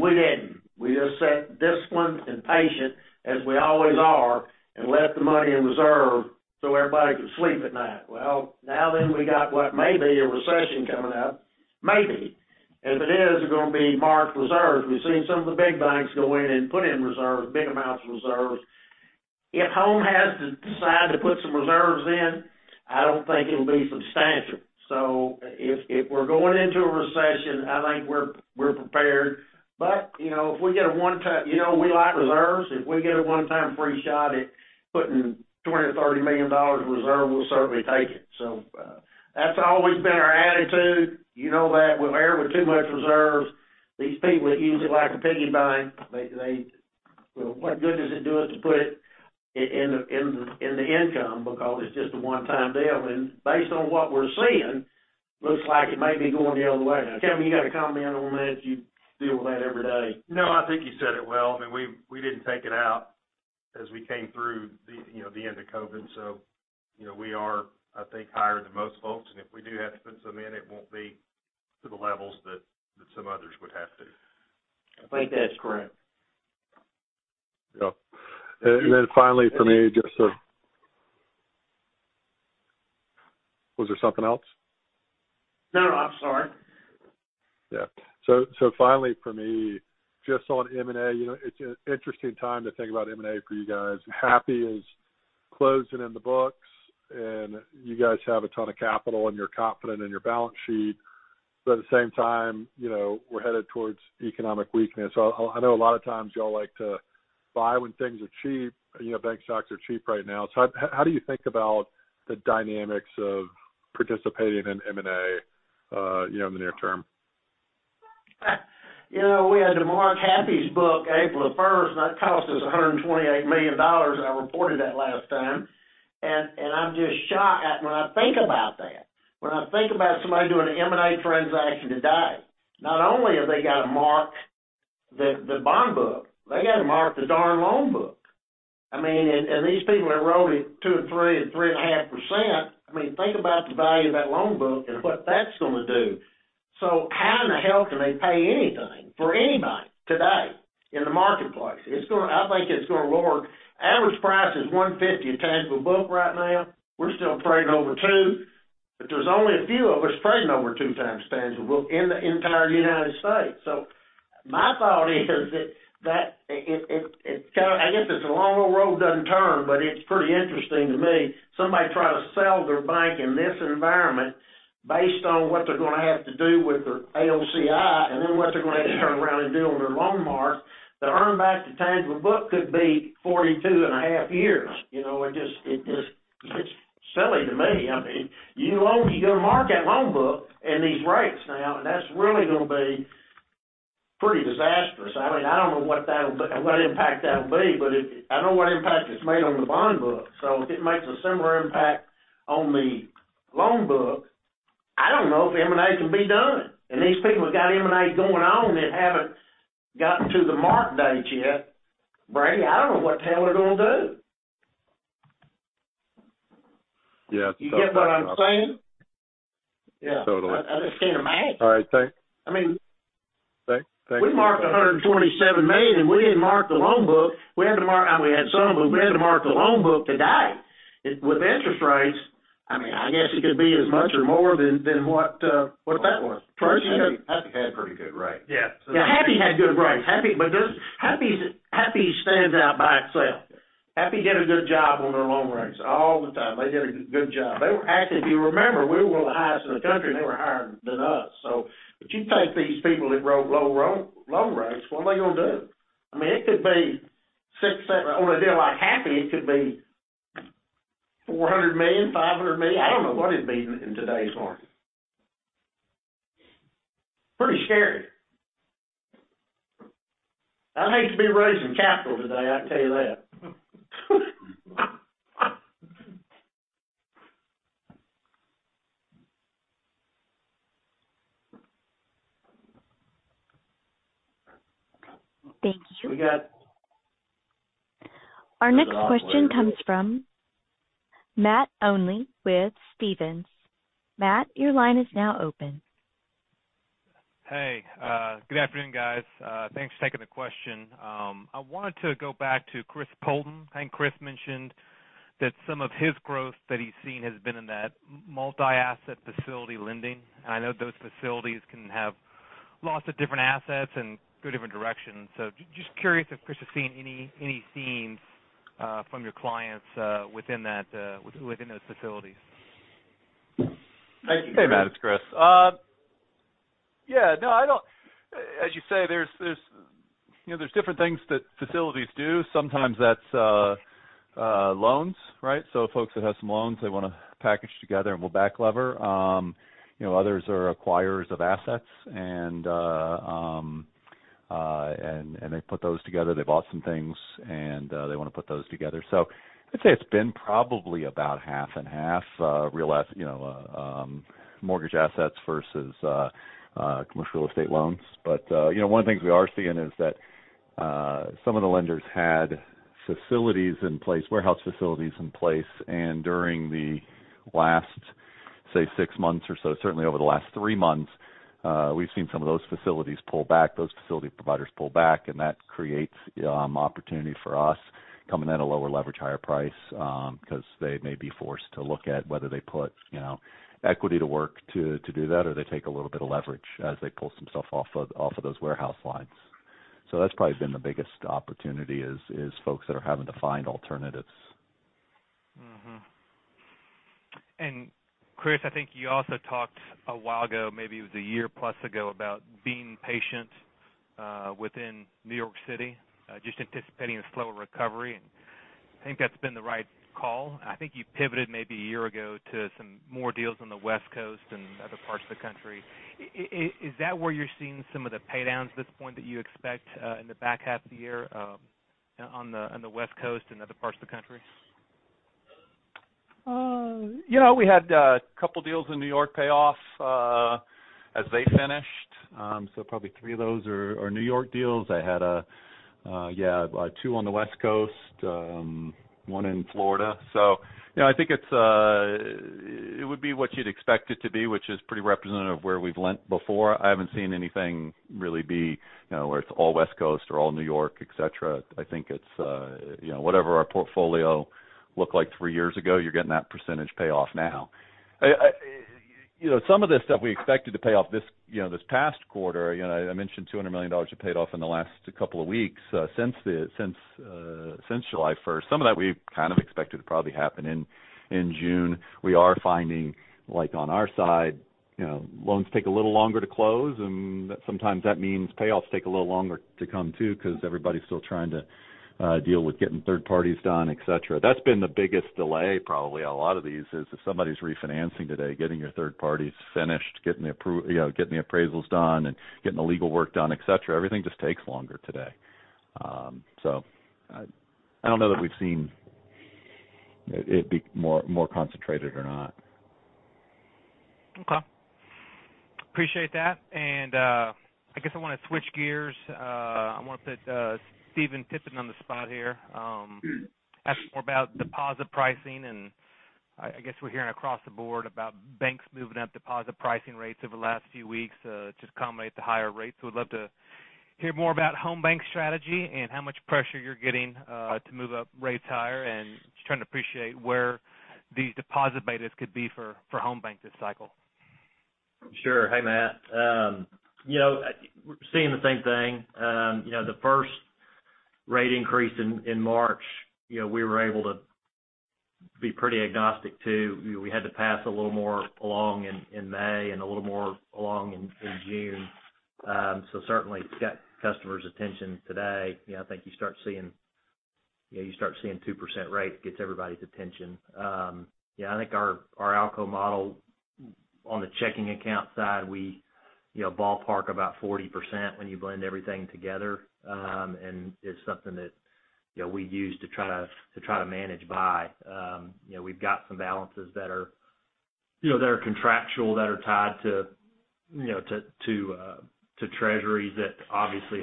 We didn't. We just sat disciplined and patient, as we always are, and left the money in reserve so everybody could sleep at night. Well, now then we got what may be a recession coming up. Maybe. If it is, they're gonna be marked reserves. We've seen some of the big banks go in and put in reserves, big amounts of reserves. If Home has to decide to put some reserves in, I don't think it'll be substantial. If we're going into a recession, I think we're prepared. You know, we like reserves. If we get a one-time free shot at putting $230 million reserve, we'll certainly take it. That's always been our attitude. You know that. We'd rather too much reserves. These people that use it like a piggy bank, they, well, what good does it do us to put it in the income because it's just a one-time deal? Based on what we're seeing, looks like it may be going the other way. Now, Kevin, you got a comment on that? You deal with that every day. No, I think you said it well. I mean, we didn't take it out as we came through the, you know, the end of COVID. You know, we are, I think, higher than most folks, and if we do have to put some in, it won't be to the levels that some others would have to. I think that's correct. Yeah. Finally, for me, just, was there something else? No, I'm sorry. Yeah. Finally for me, just on M&A, you know, it's an interesting time to think about M&A for you guys. Happy is closing in the books, and you guys have a ton of capital, and you're confident in your balance sheet. At the same time, you know, we're headed towards economic weakness. I know a lot of times y'all like to buy when things are cheap. You know, bank stocks are cheap right now. How do you think about the dynamics of participating in M&A, you know, in the near term? You know, we had to mark Happy's book April 1, and that cost us $128 million, and I reported that last time. I'm just shocked at when I think about that. When I think about somebody doing an M&A transaction today, not only have they got to mark the bond book, they got to mark the darn loan book. I mean, these people that wrote at 2% and 3% and 3.5%, I mean, think about the value of that loan book and what that's gonna do. So how in the hell can they pay anything for anybody today in the marketplace? It's gonna, I think it's gonna lower. Average price is 1.50 tangible book right now. We're still trading over two, but there's only a few of us trading over two times tangible book in the entire United States. My thought is that it kinda I guess it's a long road doesn't turn, but it's pretty interesting to me. Somebody try to sell their bank in this environment based on what they're gonna have to do with their AOCI and then what they're gonna have to turn around and do on their loan mark, the earn back to tangible book could be 42.5 years. You know, it just, it's silly to me. I mean, you're gonna mark that loan book and these rates now, and that's really gonna be pretty disastrous. I mean, I don't know what impact that'll be, but I know what impact it's made on the bond book. If it makes a similar impact on the loan book, I don't know if M&A can be done. These people that got M&A going on that haven't gotten to the mark date yet, Brady, I don't know what the hell they're gonna do. Yeah. You get what I'm saying? Totally. Yeah. I just can't imagine. All right. Thanks. I mean. Thanks. Thank you. We marked $127 million. We didn't mark the loan book. Now we had some, but we had to mark the loan book today. With interest rates, I mean, I guess it could be as much or more than what that was. Happy State Bank had pretty good rates. Yeah. Now, Happy had good rates. Happy stands out by itself. Happy did a good job on their loan rates all the time. They did a good job. They were active. You remember, we were the highest in the country, and they were higher than us. But you take these people that wrote low loan rates, what are they gonna do? I mean, it could be 6, 7. On a deal like Happy, it could be $400 million, $500 million. I don't know what it'd be in today's market. Pretty scary. I'd hate to be raising capital today, I can tell you that. Thank you. We got- Our next question comes from Matt Olney with Stephens. Matt, your line is now open. Hey, good afternoon, guys. Thanks for taking the question. I wanted to go back to Christopher Poulton. I think Chris mentioned that some of his growth that he's seen has been in that multi-asset facility lending. I know those facilities can have lots of different assets and go different directions. Just curious if Chris has seen any themes from your clients within those facilities. Hey, Matt, it's Chris. Yeah, no. As you say, there's, you know, different things that facilities do. Sometimes that's loans, right? So folks that have some loans they wanna package together and we'll back leverage. You know, others are acquirers of assets and they put those together. They bought some things, and they wanna put those together. So I'd say it's been probably about half and half, real estate, you know, mortgage assets versus commercial real estate loans. You know, one of the things we are seeing is that some of the lenders had facilities in place, warehouse facilities in place, and during the last, say, 6 months or so, certainly over the last 3 months, we've seen some of those facilities pull back, those facility providers pull back, and that creates opportunity for us coming at a lower leverage, higher price, because they may be forced to look at whether they put, you know, equity to work to do that or they take a little bit of leverage as they pull some stuff off of those warehouse lines. That's probably been the biggest opportunity is folks that are having to find alternatives. Mm-hmm. Chris, I think you also talked a while ago, maybe it was a year plus ago, about being patient within New York City just anticipating a slower recovery and I think that's been the right call. I think you pivoted maybe a year ago to some more deals on the West Coast and other parts of the country. Is that where you're seeing some of the pay downs at this point that you expect in the back half of the year on the West Coast and other parts of the country? You know, we had a couple deals in New York pay off as they finished. Probably three of those are New York deals. I had two on the West Coast, one in Florida. You know, I think it would be what you'd expect it to be, which is pretty representative of where we've lent before. I haven't seen anything really be, you know, where it's all West Coast or all New York, et cetera. I think it's, you know, whatever our portfolio looked like three years ago, you're getting that percentage pay off now. You know, some of this stuff we expected to pay off this, you know, this past quarter. You know, I mentioned $200 million have paid off in the last couple of weeks, since July 1st. Some of that we kind of expected to probably happen in June. We are finding, like on our side, you know, loans take a little longer to close, and sometimes that means payoffs take a little longer to come too because everybody's still trying to deal with getting third parties done, et cetera. That's been the biggest delay probably a lot of these, is if somebody's refinancing today, getting your third parties finished, you know, getting the appraisals done and getting the legal work done, et cetera. Everything just takes longer today. I don't know that we've seen it be more concentrated or not. Okay. Appreciate that. I guess I wanna switch gears. I wanna put Stephen Tipton on the spot here. Ask more about deposit pricing. I guess we're hearing across the board about banks moving up deposit pricing rates over the last few weeks to accommodate the higher rates. Would love to hear more about Home BancShares strategy and how much pressure you're getting to move up rates higher and just trying to appreciate where these deposit betas could be for Home BancShares this cycle. Sure. Hey, Matt. You know, we're seeing the same thing. You know, the first rate increase in March, you know, we were able to be pretty agnostic too. We had to pass a little more along in May and a little more along in June. Certainly it's got customers' attention today. You know, I think you start seeing. Yeah, you start seeing 2% rate, gets everybody's attention. Yeah, I think our ALCO model on the checking account side, we, you know, ballpark about 40% when you blend everything together, and it's something that, you know, we use to try to manage by. You know, we've got some balances that are contractual, that are tied to treasuries that obviously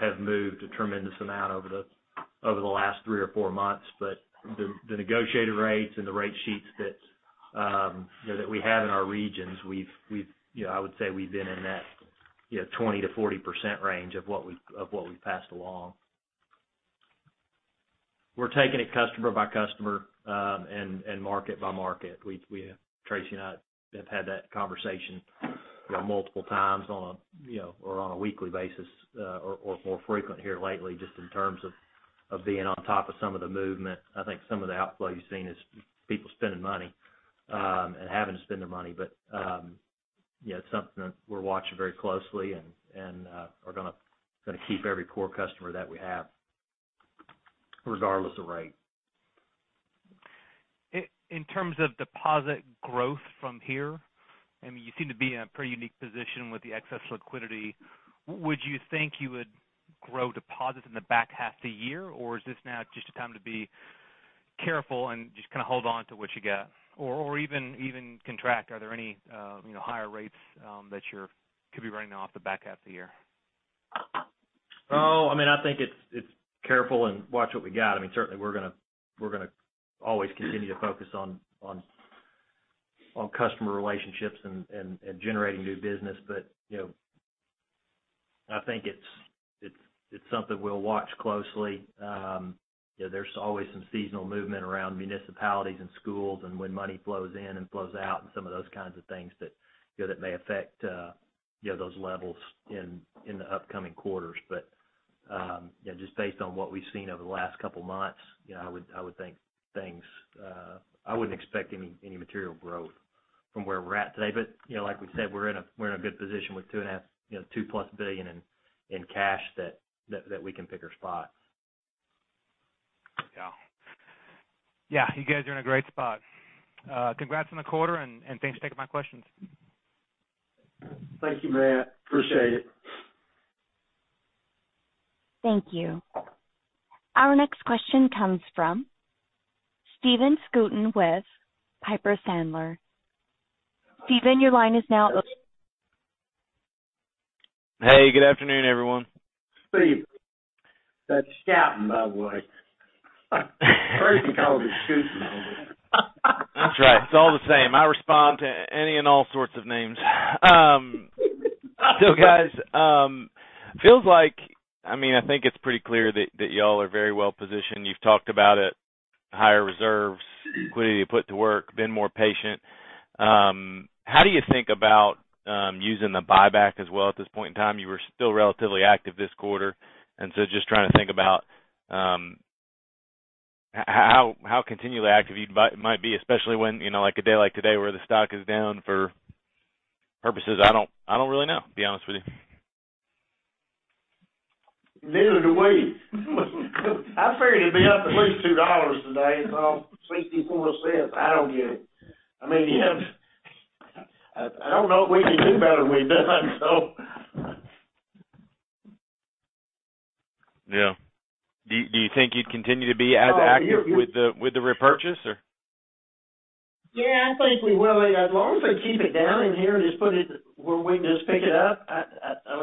have moved a tremendous amount over the last three or four months. The negotiated rates and the rate sheets that we have in our regions, we've—you know, I would say we've been in that 20%-40% range of what we've passed along. We're taking it customer by customer and market by market. We, Tracy and I, have had that conversation multiple times on a weekly basis or more frequent here lately just in terms of being on top of some of the movement. I think some of the outflow you've seen is people spending money, and having to spend their money. You know, it's something that we're watching very closely and are gonna keep every core customer that we have regardless of rate. In terms of deposit growth from here, I mean, you seem to be in a pretty unique position with the excess liquidity. Would you think you would grow deposits in the back half of the year, or is this now just a time to be careful and just kind of hold on to what you got? Or even contract? Are there any higher rates that could be running off the back half of the year? I mean, I think it's careful to watch what we've got. I mean, certainly we're gonna always continue to focus on customer relationships and generating new business. You know, I think it's something we'll watch closely. You know, there's always some seasonal movement around municipalities and schools and when money flows in and flows out and some of those kinds of things that you know that may affect those levels in the upcoming quarters. You know, just based on what we've seen over the last couple months, you know, I would think things. I wouldn't expect any material growth from where we're at today. You know, like we said, we're in a good position with $2.5, you know, $2+ billion in cash that we can pick our spot. Yeah. Yeah, you guys are in a great spot. Congrats on the quarter, and thanks for taking my questions. Thank you, Matt. Appreciate it. Thank you. Our next question comes from Steve Scouten with Piper Sandler. Stephen, your line is now. Hey, good afternoon, everyone. Steve, that's Scouten, by the way. Tracy called him Scouten earlier. That's right. It's all the same. I respond to any and all sorts of names. So guys, feels like, I mean, I think it's pretty clear that y'all are very well positioned. You've talked about it, higher reserves, liquidity you put to work, been more patient. How do you think about using the buyback as well at this point in time? You were still relatively active this quarter, and so just trying to think about how continually active you might be, especially when, you know, like a day like today where the stock is down for purposes I don't really know, to be honest with you. Neither do we. I figured it'd be up at least $2 today. It's only $0.64. I don't get it. I mean, you have. I don't know if we can do better than we've done, so. Yeah. Do you think you'd continue to be as active with the repurchase, or? Yeah, I think we will. As long as they keep it down in here and just put it where we can just pick it up, I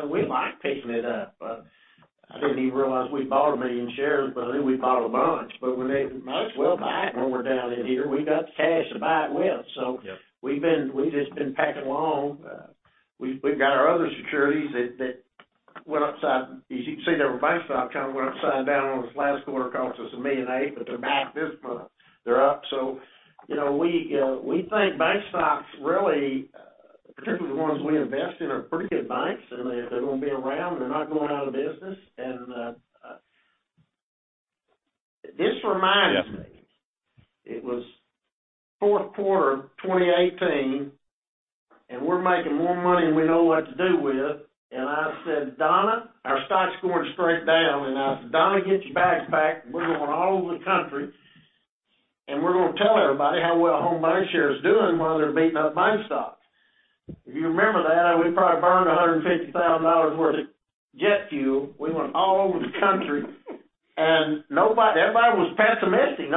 mean, we like picking it up. I didn't even realize we bought 1 million shares, but I think we bought a bunch. We may as well buy it when we're down in here. We got the cash to buy it with. Yeah. We've just been pecking along. We've got our other securities that went upside. As you can see, there were bank stocks kind of went upside down on us last quarter. Cost us $1.8 million, but they're back this month. They're up. You know, we think bank stocks really, particularly the ones we invest in, are pretty good banks, and they're gonna be around. They're not going out of business. This reminds me. Yeah. It was fourth quarter 2018, and we're making more money than we know what to do with, and I said, "Donna," our stock's going straight down, and I said, "Donna, get your bags packed. We're going all over the country, and we're gonna tell everybody how well Home BancShares is doing while they're beating up bank stocks." If you remember that, we probably burned $150,000 worth of jet fuel. We went all over the country, and nobody. Everybody was pessimistic.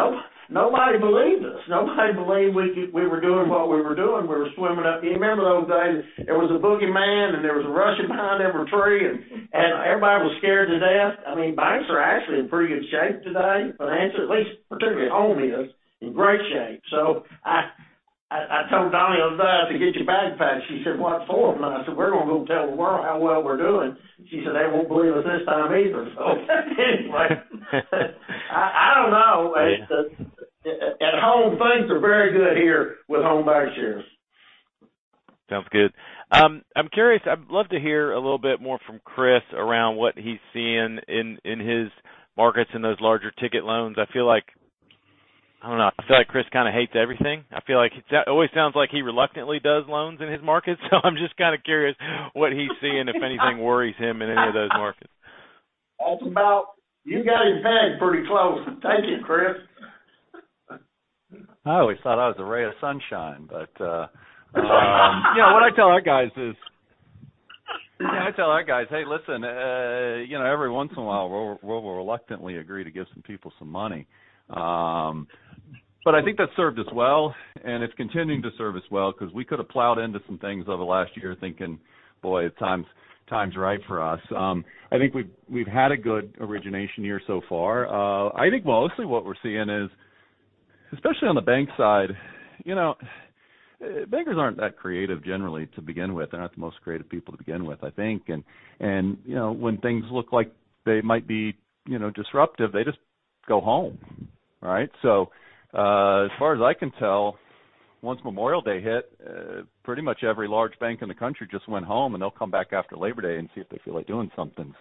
Nobody believed us. Nobody believed we were doing what we were doing. We were swimming up. You remember the old days, there was a boogeyman, and there was Russians behind every tree, and everybody was scared to death. I mean, banks are actually in pretty good shape today. Finance, at least particularly at home, is in great shape. I told Donna, "To get your bag packed." She said, "What for?" I said, "We're gonna go tell the world how well we're doing." She said, "They won't believe us this time either." Anyway. I don't know. At home, things are very good here with Home BancShares. Sounds good. I'm curious. I'd love to hear a little bit more from Chris around what he's seeing in his markets in those larger ticket loans. I feel like I don't know. I feel like Chris kind of hates everything. I feel like it always sounds like he reluctantly does loans in his market, so I'm just kind of curious what he's seeing, if anything worries him in any of those markets. You got his bag pretty close. Thank you, Chris. I always thought I was a ray of sunshine, but you know, what I tell our guys is I tell our guys, "Hey, listen, you know, every once in a while we'll reluctantly agree to give some people some money." But I think that's served us well, and it's continuing to serve us well because we could have plowed into some things over the last year thinking, boy, the time's right for us. I think we've had a good origination year so far. I think mostly what we're seeing is, especially on the bank side, you know, bankers aren't that creative generally to begin with. They're not the most creative people to begin with, I think. You know, when things look like they might be, you know, disruptive, they just go home, right? As far as I can tell, once Memorial Day hit, pretty much every large bank in the country just went home, and they'll come back after Labor Day and see if they feel like doing something.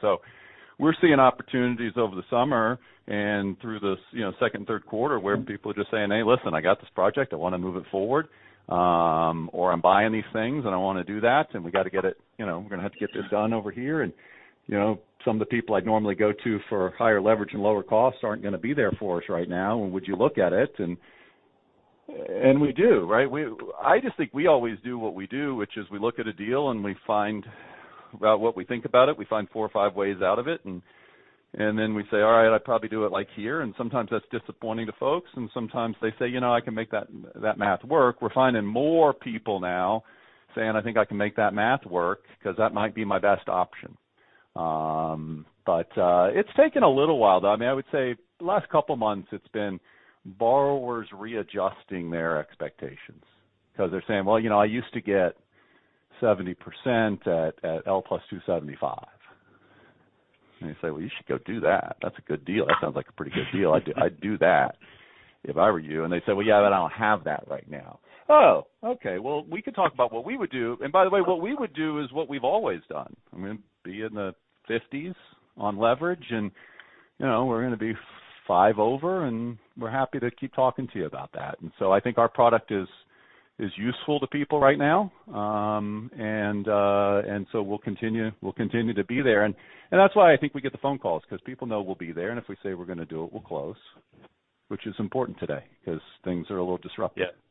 We're seeing opportunities over the summer and through the second, third quarter where people are just saying, "Hey, listen, I got this project. I wanna move it forward." Or, "I'm buying these things and I wanna do that, and we got to get it. You know, we're gonna have to get this done over here." You know, some of the people I'd normally go to for higher leverage and lower costs aren't gonna be there for us right now. Would you look at it? We do, right? I just think we always do what we do, which is we look at a deal and we find out what we think about it. We find four or five ways out of it, and then we say, "All right, I'd probably do it like here." Sometimes that's disappointing to folks, and sometimes they say, "You know, I can make that math work." We're finding more people now saying, "I think I can make that math work because that might be my best option." It's taken a little while, though. I mean, I would say the last couple of months it's been borrowers readjusting their expectations because they're saying, "Well, you know, I used to get 70% at L plus 275." You say, "Well, you should go do that. That's a good deal. That sounds like a pretty good deal. I'd do that if I were you." They say, "Well, yeah, but I don't have that right now." Oh, okay. Well, we could talk about what we would do. By the way, what we would do is what we've always done. I mean, be in the 50s on leverage and, you know, we're gonna be five over, and we're happy to keep talking to you about that. So I think our product is useful to people right now. We'll continue to be there. That's why I think we get the phone calls because people know we'll be there. If we say we're gonna do it, we'll close, which is important today because things are a little disruptive. Yeah.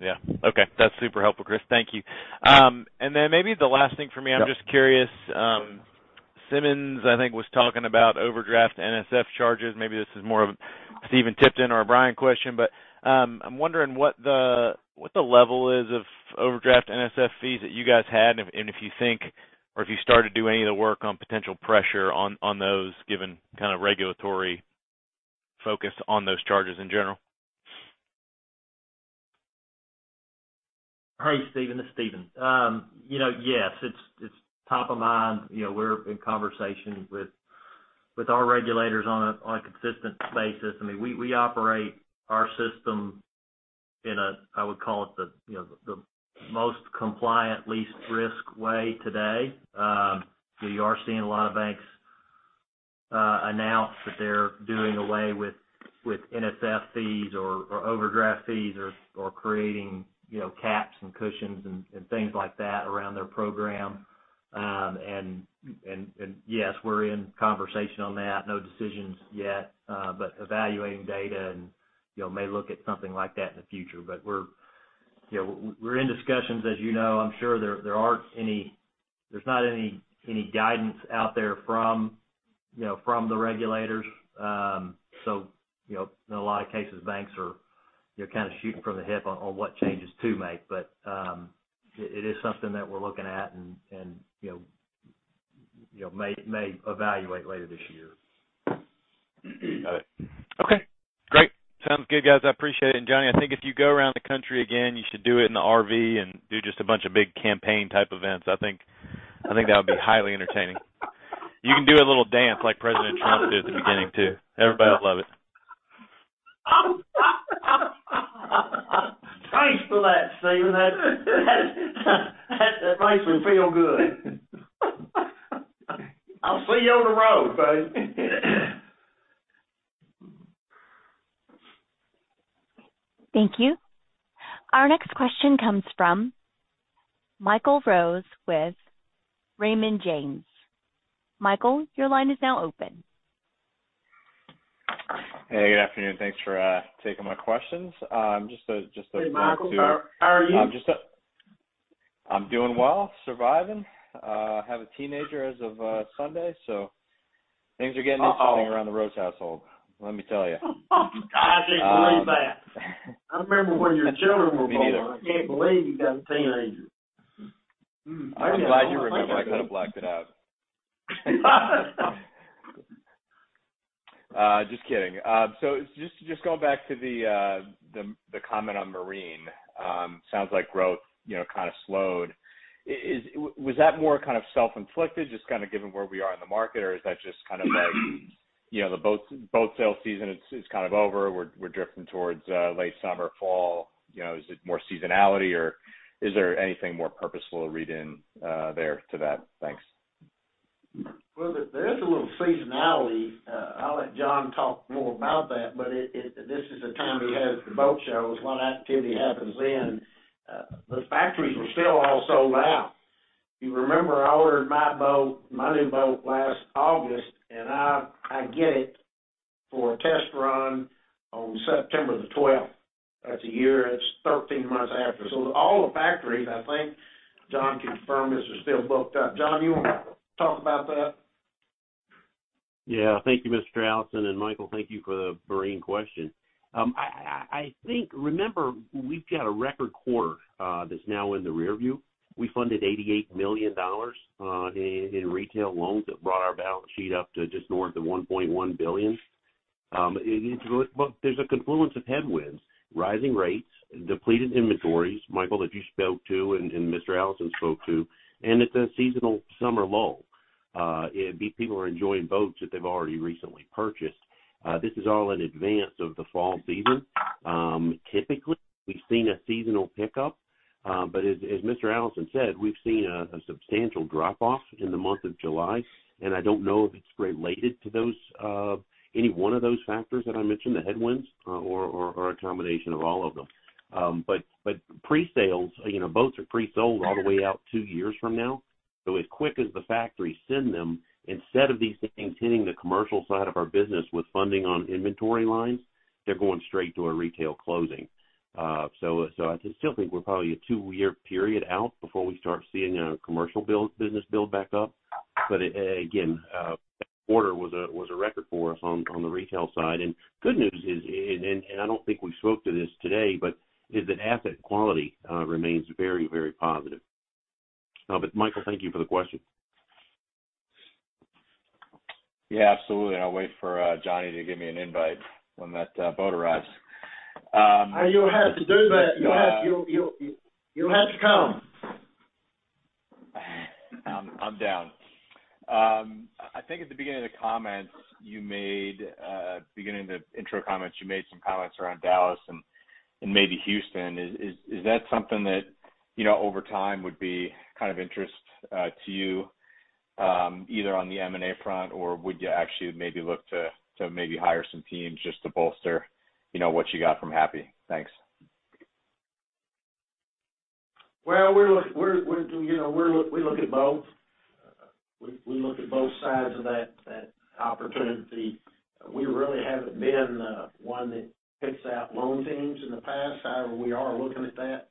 Yeah. Okay. That's super helpful, Chris. Thank you. Then maybe the last thing for me. Yep. I'm just curious, Simmons, I think, was talking about overdraft NSF charges. Maybe this is more of a Stephen Tipton or a Brian question, but, I'm wondering what the level is of overdraft NSF fees that you guys had and if you think or if you started to do any of the work on potential pressure on those, given kind of regulatory focus on those charges in general. Hey, Stephen. It's Stephen. Yes, it's top of mind. You know, we're in conversations with our regulators on a consistent basis. I mean, we operate our system in a I would call it the most compliant, least risk way today. We are seeing a lot of banks announce that they're doing away with NSF fees or overdraft fees or creating caps and cushions and things like that around their program. Yes, we're in conversation on that. No decisions yet, but evaluating data and may look at something like that in the future. You know, we're in discussions, as you know. I'm sure there's not any guidance out there from the regulators. You know, in a lot of cases, banks are, you know, kind of shooting from the hip on what changes to make. It is something that we're looking at, and you know, may evaluate later this year. Got it. Okay, great. Sounds good, guys. I appreciate it. Johnny, I think if you go around the country again, you should do it in the RV and do just a bunch of big campaign type events. I think that would be highly entertaining. You can do a little dance like President Trump did at the beginning too. Everybody will love it. Thanks for that, Stephen. That makes me feel good. I'll see you on the road, buddy. Thank you. Our next question comes from Michael Rose with Raymond James. Michael, your line is now open. Hey, good afternoon. Thanks for taking my questions. Just to Hey, Michael. How are you? I'm doing well. Surviving. Have a teenager as of Sunday, so things are getting interesting around the Rose household. Let me tell you. I can't believe that. Um. I remember when your children were born. Me neither. I can't believe you got a teenager. I'm glad you remember. I could have blacked it out. Just kidding. Just going back to the comment on marine. Sounds like growth, you know, kind of slowed. Was that more kind of self-inflicted, just kind of given where we are in the market? Or is that just kind of like, you know, the boat sale season is kind of over, we're drifting towards late summer, fall. You know, is it more seasonality, or is there anything more purposeful to read in there to that? Thanks. Well, there is a little seasonality. I'll let John talk more about that, but this is the time we have the boat shows. A lot of activity happens then. The factories are still all sold out. You remember I ordered my boat, my new boat last August, and I get it for a test run on September the twelfth. That's a year, that's 13 months after. All the factories, I think John can confirm this, are still booked up. John, you wanna talk about that? Yeah. Thank `you, Mr. Allison, and Michael, thank you for the marine question. I think we've got a record quarter that's now in the rearview. We funded $88 million in retail loans that brought our balance sheet up to just north of $1.1 billion. But there's a confluence of headwinds, rising rates, depleted inventories, Michael, that you spoke to and Mr. Allison spoke to, and it's a seasonal summer lull. People are enjoying boats that they've already recently purchased. This is all in advance of the fall season. Typically, we've seen a seasonal pickup, but as Mr. Allison said, we've seen a substantial drop off in the month of July, and I don't know if it's related to those any one of those factors that I mentioned, the headwinds or a combination of all of them. Pre-sales, you know, boats are pre-sold all the way out two years from now. As quick as the factories send them, instead of these things hitting the commercial side of our business with funding on inventory lines, they're going straight to a retail closing. I still think we're probably a two-year period out before we start seeing a commercial business build back up. Again, that quarter was a record for us on the retail side. Good news is, I don't think we spoke to this today, but is that asset quality remains very, very positive. Michael, thank you for the question. Yeah, absolutely. I'll wait for Johnny to give me an invite when that boat arrives. Oh, you'll have to do that. You'll have to come. I'm down. I think at the beginning of the intro comments, you made some comments around Dallas and maybe Houston. Is that something that, you know, over time would be of interest to you, either on the M&A front, or would you actually maybe look to maybe hire some teams just to bolster, you know, what you got from Happy? Thanks. Well, you know, we look at both. We look at both sides of that opportunity. We really haven't been one that picks out loan teams in the past. However, we are looking at that,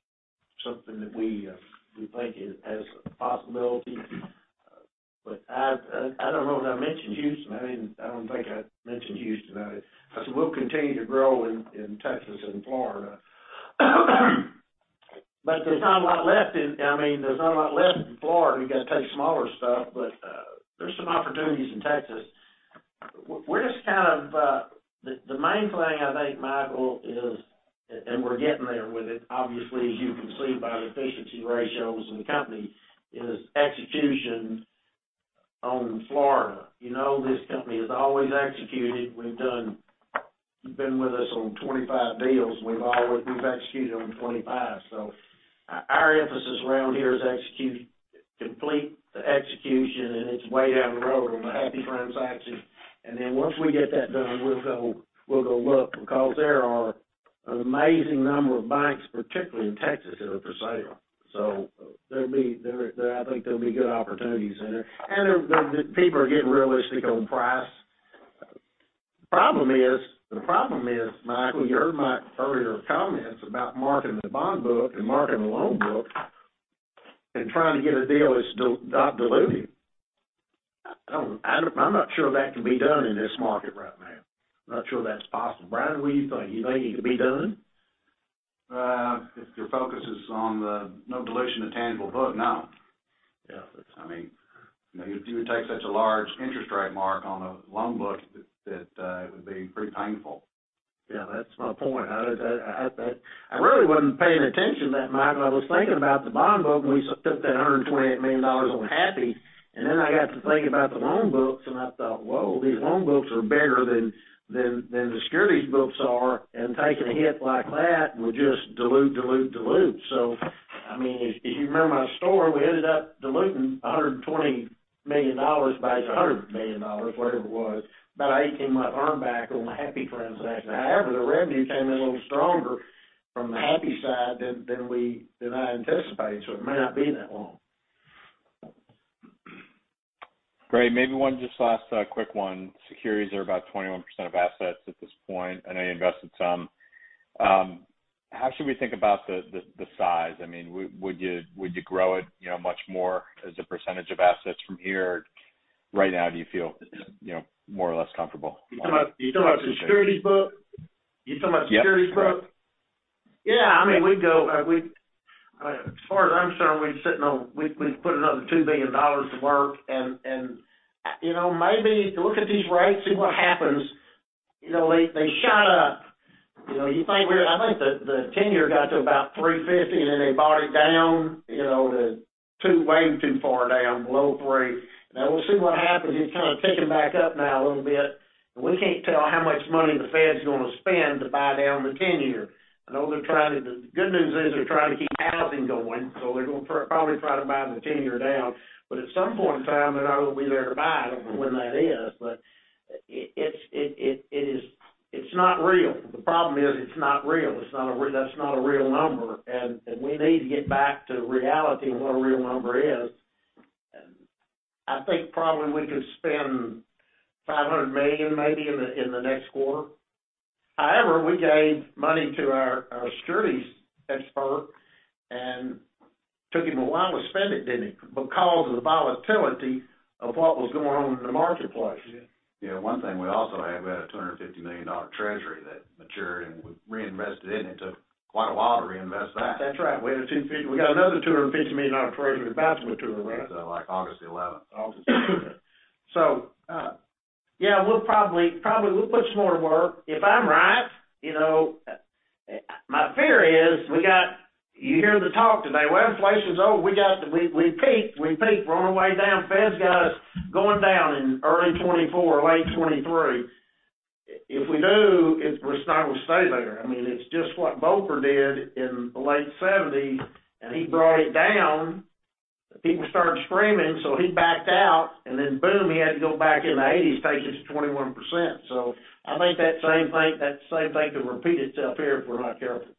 something that we think is a possibility. I don't know that I mentioned Houston. I didn't. I don't think I mentioned Houston. I said we'll continue to grow in Texas and Florida. There's not a lot left in Florida. I mean, there's not a lot left in Florida. You gotta take smaller stuff, but there's some opportunities in Texas. The main thing I think, Michael, is and we're getting there with it, obviously, as you can see by the efficiency ratios in the company, is execution on Florida. You know, this company has always executed. We've done. You've been with us on 25 deals. We've always executed on 25. Our emphasis around here is complete execution, and it's way down the road on the Happy transaction. Once we get that done, we'll go look, because there are an amazing number of banks, particularly in Texas, that are for sale. There'll be good opportunities in there. I think there'll be good opportunities in there. The people are getting realistic on price. The problem is, Michael, you heard my earlier comments about marking the bond book and marking the loan book and trying to get a deal that's not dilutive. I'm not sure that can be done in this market right now. I'm not sure that's possible. Brian, what do you think? You think it could be done? If your focus is on the no dilution of tangible book, no. Yeah. I mean, you know, you would take such a large interest rate mark on a loan book that it would be pretty painful. Yeah, that's my point. I really wasn't paying attention to that, Michael. I was thinking about the bond book, and we took that $128 million on Happy, and then I got to thinking about the loan books, and I thought, whoa, these loan books are bigger than the securities books are, and taking a hit like that will just dilute. I mean, if you remember my story, we ended up diluting $120 million by $100 million, whatever it was, about 18-month earn back on the Happy transaction. However, the revenue came in a little stronger from the Happy side than I anticipated, so it may not be that long. Great. Maybe one just last, quick one. Securities are about 21% of assets at this point. I know you invested some. How should we think about the size? I mean, would you grow it, you know, much more as a percentage of assets from here? Right now, do you feel, you know, more or less comfortable? You talking about the securities book? Yes. I mean, we'd go we as far as I'm concerned, we're sitting on we we've put another $2 billion to work and, you know, maybe look at these rates, see what happens. You know, they shot up. You know, you think we're I think the ten-year got to about 3.50%, and then they brought it down, you know, way too far down, below 3%. Now we'll see what happens. It's kind of ticking back up now a little bit. We can't tell how much money the Fed's gonna spend to buy down the ten-year. I know they're trying to keep housing going. The good news is they're trying to keep housing going, so they're gonna probably try to buy the ten-year down. At some point in time, they're not going to be there to buy it. I don't know when that is, but it's not real. The problem is it's not real. It's not a real number, and we need to get back to reality and what a real number is. I think probably we could spend $500 million maybe in the next quarter. However, we gave money to our securities expert and took him a while to spend it, didn't he? Because of the volatility of what was going on in the marketplace. Yeah. One thing we also had a $250 million treasury that matured, and we reinvested it, and it took quite a while to reinvest that. That's right. We had a $250 million. We got another $250 million-dollar treasury that's about to mature, wasn't it? Yeah. Like, August the eleventh. August eleventh. Yeah, we'll probably we'll put some more to work. If I'm right, you know, my fear is you hear the talk today. Well, inflation's over. We peaked. We're on our way down. Fed's got us going down in early 2024 or late 2023. If we do, it's not gonna stay there. I mean, it's just what Volcker did in the late 1970s, and he brought it down. People started screaming, so he backed out, and then boom, he had to go back in the 1980s, take it to 21%. I think that same thing could repeat itself here if we're not careful.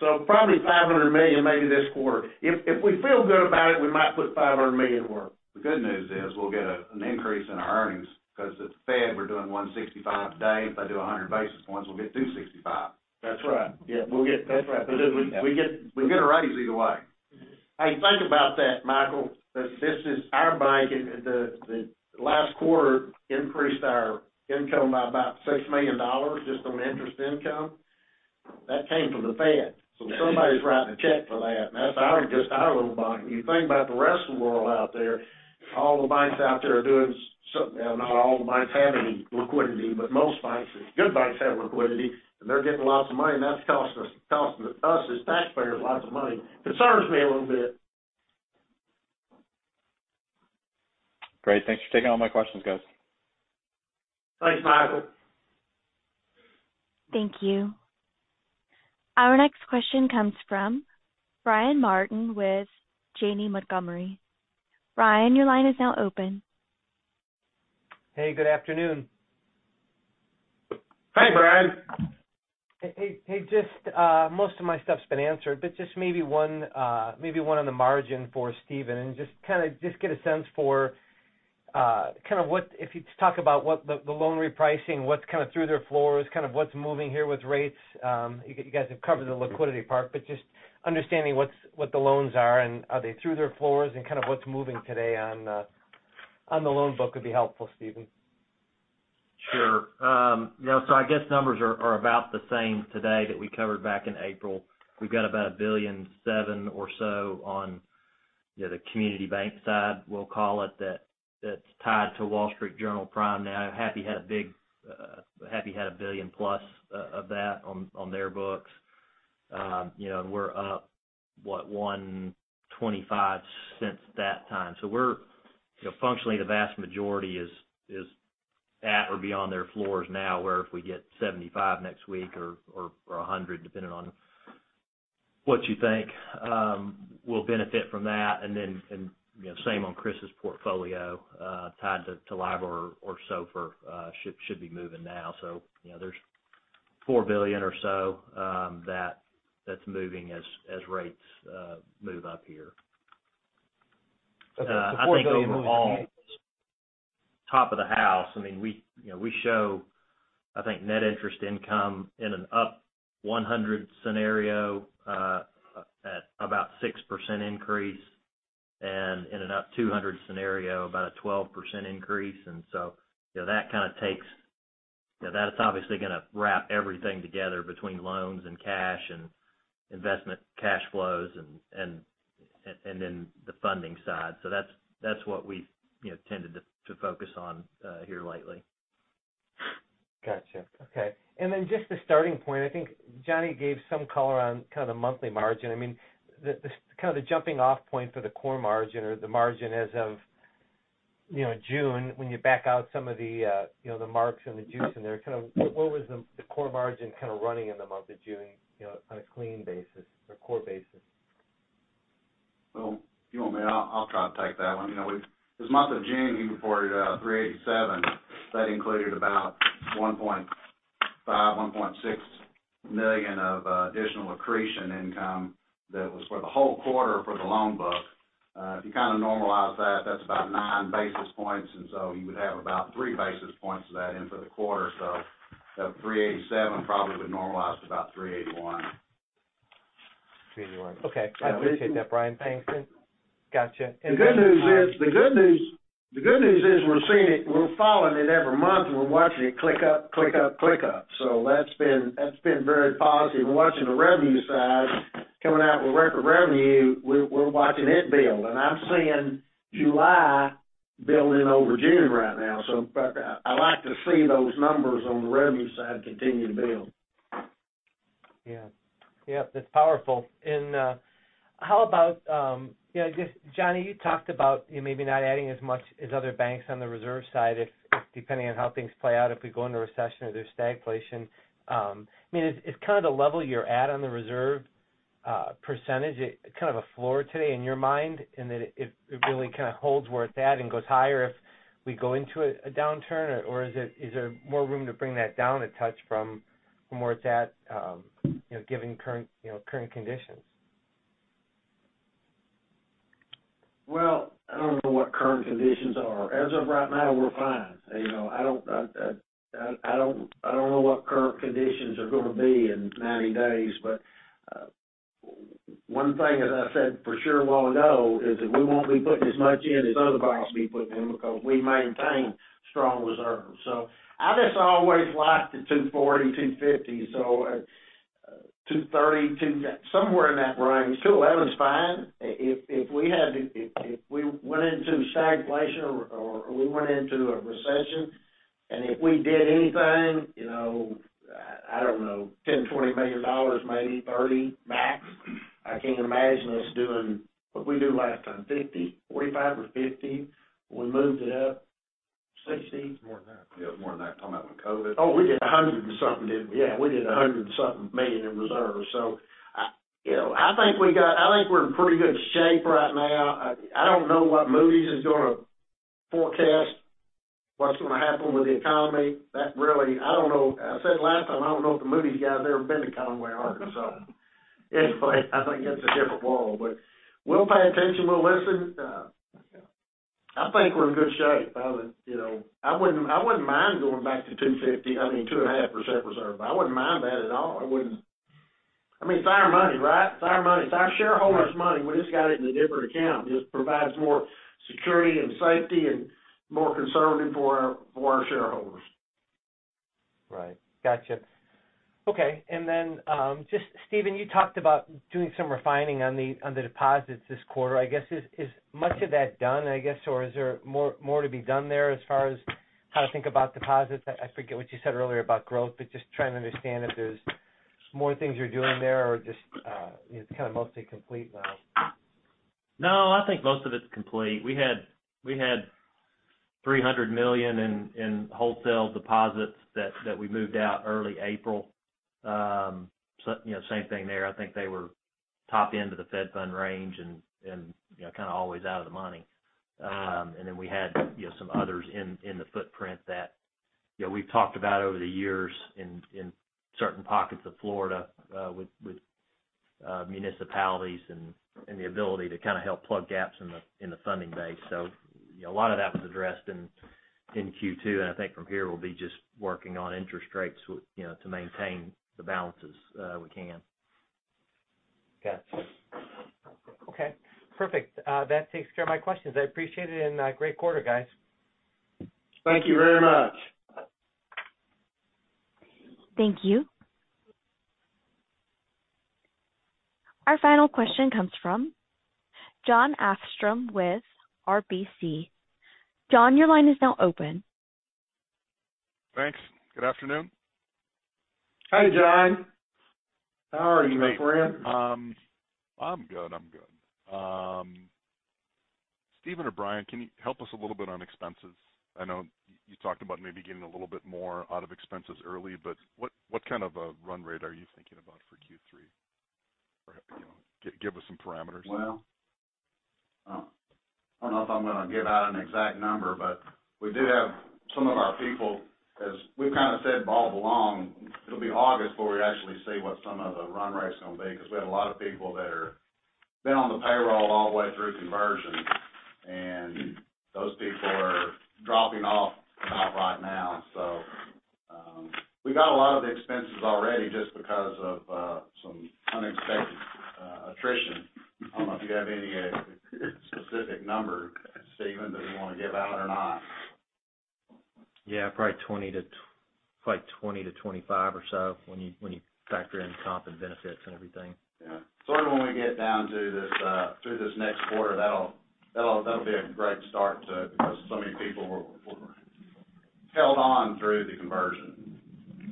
Probably $500 million maybe this quarter. If we feel good about it, we might put $500 million to work. The good news is we'll get an increase in our earnings because the Fed were doing 165 today. If they do 100 basis points, we'll get 265. That's right. Yeah. That's right. We get a raise either way. Hey, think about that, Michael. This is our bank, and the last quarter increased our income by about $6 million just on interest income. That came from the Fed. Somebody's writing a check for that, and that's just our little bank. You think about the rest of the world out there, all the banks out there are doing, you know, not all the banks have any liquidity, but most banks, the good banks have liquidity, and they're getting lots of money, and that's costing us as taxpayers lots of money. Concerns me a little bit. Great. Thanks for taking all my questions, guys. Thanks, Michael. Thank you. Our next question comes from Brian Martin with Janney Montgomery Scott. Brian, your line is now open. Hey, good afternoon. Hi, Brian. Hey, hey, just most of my stuff's been answered, but just maybe one on the margin for Stephen. Just get a sense for kind of what if you talk about what the loan repricing, what's kind of through their floors, kind of what's moving here with rates. You guys have covered the liquidity part, but just understanding what the loans are and are they through their floors and kind of what's moving today on the loan book would be helpful, Stephen. Sure. You know, so I guess numbers are about the same today that we covered back in April. We've got about $1.7 billion or so on, you know, the community bank side, we'll call it, that's tied to Wall Street Journal Prime now. Happy State Bank had $1 billion-plus of that on their books. You know, we're up, what? 125 since that time. We're, you know, functionally the vast majority is at or beyond their floors now, where if we get 75 next week or a hundred, depending on what you think, we'll benefit from that. You know, same on Chris' portfolio, tied to LIBOR or SOFR, should be moving now. You know, there's $4 billion or so that's moving as rates move up here. Okay. Before. I think overall, top of the house, I mean, you know, we show, I think net interest income in an up 100 scenario at about 6% increase, and in an up 200 scenario, about a 12% increase. You know, that's obviously gonna wrap everything together between loans and cash and investment cash flows and then the funding side. That's what we, you know, tended to focus on here lately. Gotcha. Okay. Just the starting point, I think John gave some color on kind of the monthly margin. I mean, the kind of jumping off point for the core margin or the margin as of, you know, June, when you back out some of the, you know, the marks and the juice in there, kind of what was the core margin kind of running in the month of June, you know, on a clean basis or core basis? Well, if you want me, I'll try to take that one. You know, this month of June, we reported 387. That included about $1.5-$1.6 million of additional accretion income. That was for the whole quarter for the loan book. If you kinda normalize that's about nine basis points, and so you would have about three basis points of that into the quarter. That 387 probably would normalize to about 381. 381. Okay. I appreciate that, Brian. Thanks. Gotcha. The good news is we're seeing it, we're following it every month, and we're watching it click up. That's been very positive. We're watching the revenue side coming out with record revenue. We're watching it build. I'm seeing July build in over June right now. I like to see those numbers on the revenue side continue to build. Yeah. Yep, that's powerful. How about, yeah, just Johnny, you talked about you maybe not adding as much as other banks on the reserve side, depending on how things play out, if we go into a recession or there's stagflation. I mean, is kind of the level you're at on the reserve percentage is kind of a floor today in your mind? In that it really kinda holds where it's at and goes higher if we go into a downturn? Or is there more room to bring that down a touch from where it's at, you know, given current, you know, current conditions? Well, I don't know what current conditions are. As of right now, we're fine. You know, I don't know what current conditions are gonna be in 90 days. One thing as I said for sure we'll know is that we won't be putting as much in as other banks be putting in because we maintain strong reserves. I just always liked the 240, 250. 230. Somewhere in that range. 211's fine. If we went into stagflation or we went into a recession, and if we did anything, you know, I don't know, $10 million, $20 million, maybe $30 million max, I can't imagine us doing. What'd we do last time? $50? $45 or $50? We moved it up. $60. It's more than that. Yeah, it was more than that. Talking about the COVID. Oh, we did 100 and something, didn't we? Yeah, we did $100 and something million in reserves. I, you know, I think we're in pretty good shape right now. I don't know what Moody's is gonna forecast what's gonna happen with the economy. That really, I don't know. I said it last time, I don't know if the Moody's guys ever been to Conway, Arkansas. Anyway, I think that's a different world. We'll pay attention. We'll listen. I think we're in good shape. I would, you know, I wouldn't mind going back to 2.50, I mean, 2.5% reserve. I wouldn't mind that at all. I wouldn't. I mean, it's our money, right? It's our money. It's our shareholders' money. We just got it in a different account. Just provides more security and safety and more conservative for our shareholders. Right. Gotcha. Okay. Just Stephen, you talked about doing some refining on the deposits this quarter. I guess is much of that done, I guess? Or is there more to be done there as far as how to think about deposits? I forget what you said earlier about growth, but just trying to understand if there's more things you're doing there or just it's kind of mostly complete now. No, I think most of it's complete. We had $300 million in wholesale deposits that we moved out early April. You know, same thing there. I think they were top end of the Fed Funds range and, you know, kind of always out of the money. Then we had, you know, some others in the footprint that, you know, we've talked about over the years in certain pockets of Florida, with municipalities and the ability to kind of help plug gaps in the funding base. You know, a lot of that was addressed in Q2, and I think from here we'll be just working on interest rates with, you know, to maintain the balances we can. Gotcha. Okay, perfect. That takes care of my questions. I appreciate it, and great quarter, guys. Thank you very much. Thank you. Our final question comes from Jon Arfstrom with RBC. Jon, your line is now open. Thanks. Good afternoon. Hi, John. How are you, my friend? I'm good. Stephen or Brian, can you help us a little bit on expenses? I know you talked about maybe getting a little bit more out of expenses early, but what kind of a run rate are you thinking about for Q3? You know, give us some parameters. Well, I don't know if I'm gonna give out an exact number, but we do have some of our people, as we've kinda said all along, it'll be August before we actually see what some of the run rate's gonna be, because we had a lot of people that have been on the payroll all the way through conversion, and those people are dropping off about right now. We got a lot of the expenses already just because of some unexpected attrition. I don't know if you have any specific number, Stephen, that we wanna give out or not. Yeah, probably 20-25 or so when you factor in comp and benefits and everything. Yeah. When we get down to this, through this next quarter, that'll be a great start to it because so many people were held on through the conversion,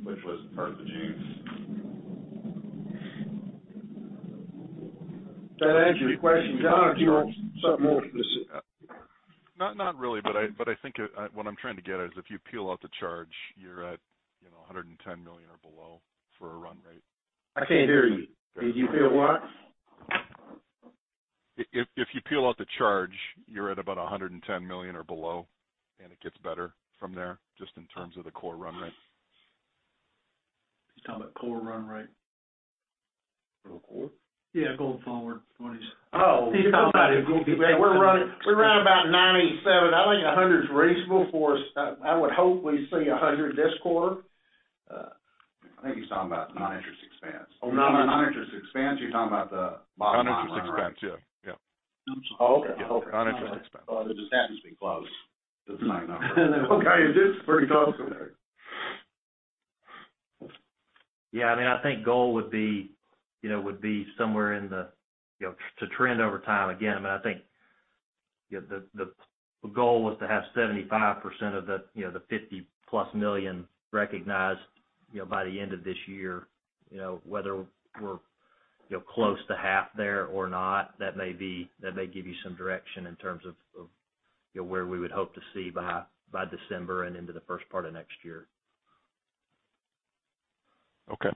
which was the first of June. Does that answer your question, John? Or do you want something more specific? Not really, but I think what I'm trying to get at is if you peel out the charge, you're at, you know, $110 million or below for a run rate. I can't hear you. Did you say what? If you peel out the charge, you're at about $110 million or below, and it gets better from there, just in terms of the core run rate. He's talking about core run rate. Oh, core? Yeah, going forward, what he's We run about 97. I think 100 is reasonable for us. I would hope we see 100 this quarter. I think he's talking about non-interest expense. Oh, non-interest expense. You're talking about the bottom line run rate. Non-interest expense, yeah. Yeah. Okay. Okay. Non-interest expense. Oh, it just happens to be close to the same number. Okay. It is pretty close. Yeah, I mean, I think goal would be, you know, would be somewhere in the, you know, to trend over time again, but I think, you know, the goal was to have 75% of the, you know, the $50+ million recognized, you know, by the end of this year, you know, whether we're, you know, close to half there or not, that may give you some direction in terms of, you know, where we would hope to see by December and into the first part of next year. Okay.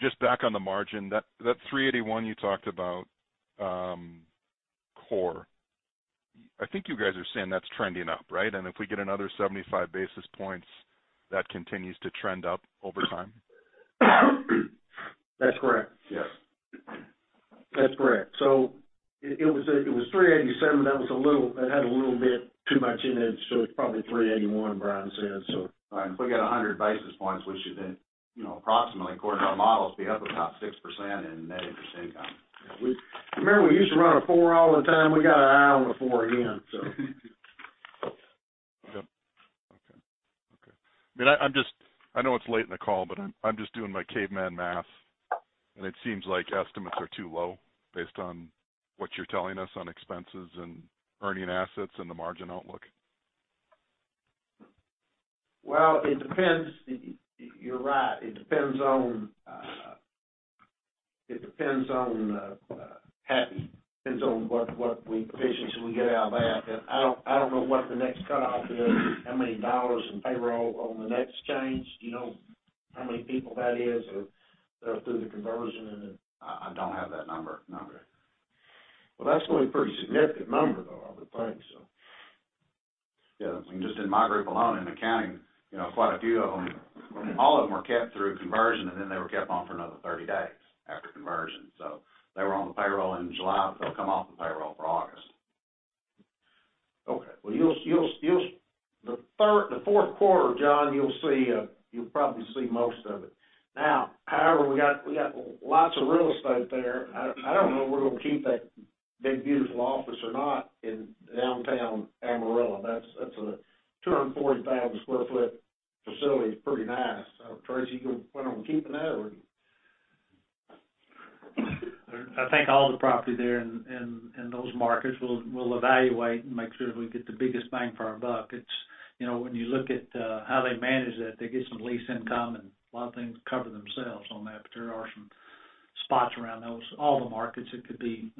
Just back on the margin, that 3.81 you talked about, core. I think you guys are saying that's trending up, right? If we get another 75 basis points, that continues to trend up over time. That's correct. Yes. That's correct. It was 387. That was a little. It had a little bit too much in it, so it's probably 381, Brian says, so. All right. If we get 100 basis points, we should then, you know, approximately according to our models, be up about 6% in net interest income. I remember we used to run a four all the time. We got our eye on a four again, so. Yep. Okay. I mean, I know it's late in the call, but I'm just doing my caveman math, and it seems like estimates are too low based on what you're telling us on expenses and earning assets and the margin outlook. Well, it depends. You're right. It depends on Happy. Depends on what efficiency we get out of that. But I don't know what the next cutoff is, how many dollars in payroll on the next change. Do you know how many people that is or through the conversion and then? I don't have that number, no. Okay. Well, that's going to be a pretty significant number, though, I would think so. Yeah. I mean, just in my group alone in accounting, you know, quite a few of them, all of them were kept through conversion, and then they were kept on for another 30 days after conversion. They were on the payroll in July, but they'll come off the payroll for August. Okay. Well, you'll see the third, the fourth quarter, John. You'll probably see most of it. Now, however, we got lots of real estate there. I don't know if we're gonna keep that big, beautiful office or not in downtown Amarillo. That's a 240,000 sq ft facility. It's pretty nice. So, Tracy, you gonna plan on keeping that or? I think all the property there in those markets, we'll evaluate and make sure that we get the biggest bang for our buck. It's you know, when you look at how they manage that, they get some lease income and a lot of things cover themselves on that. There are some spots around those all the markets that could be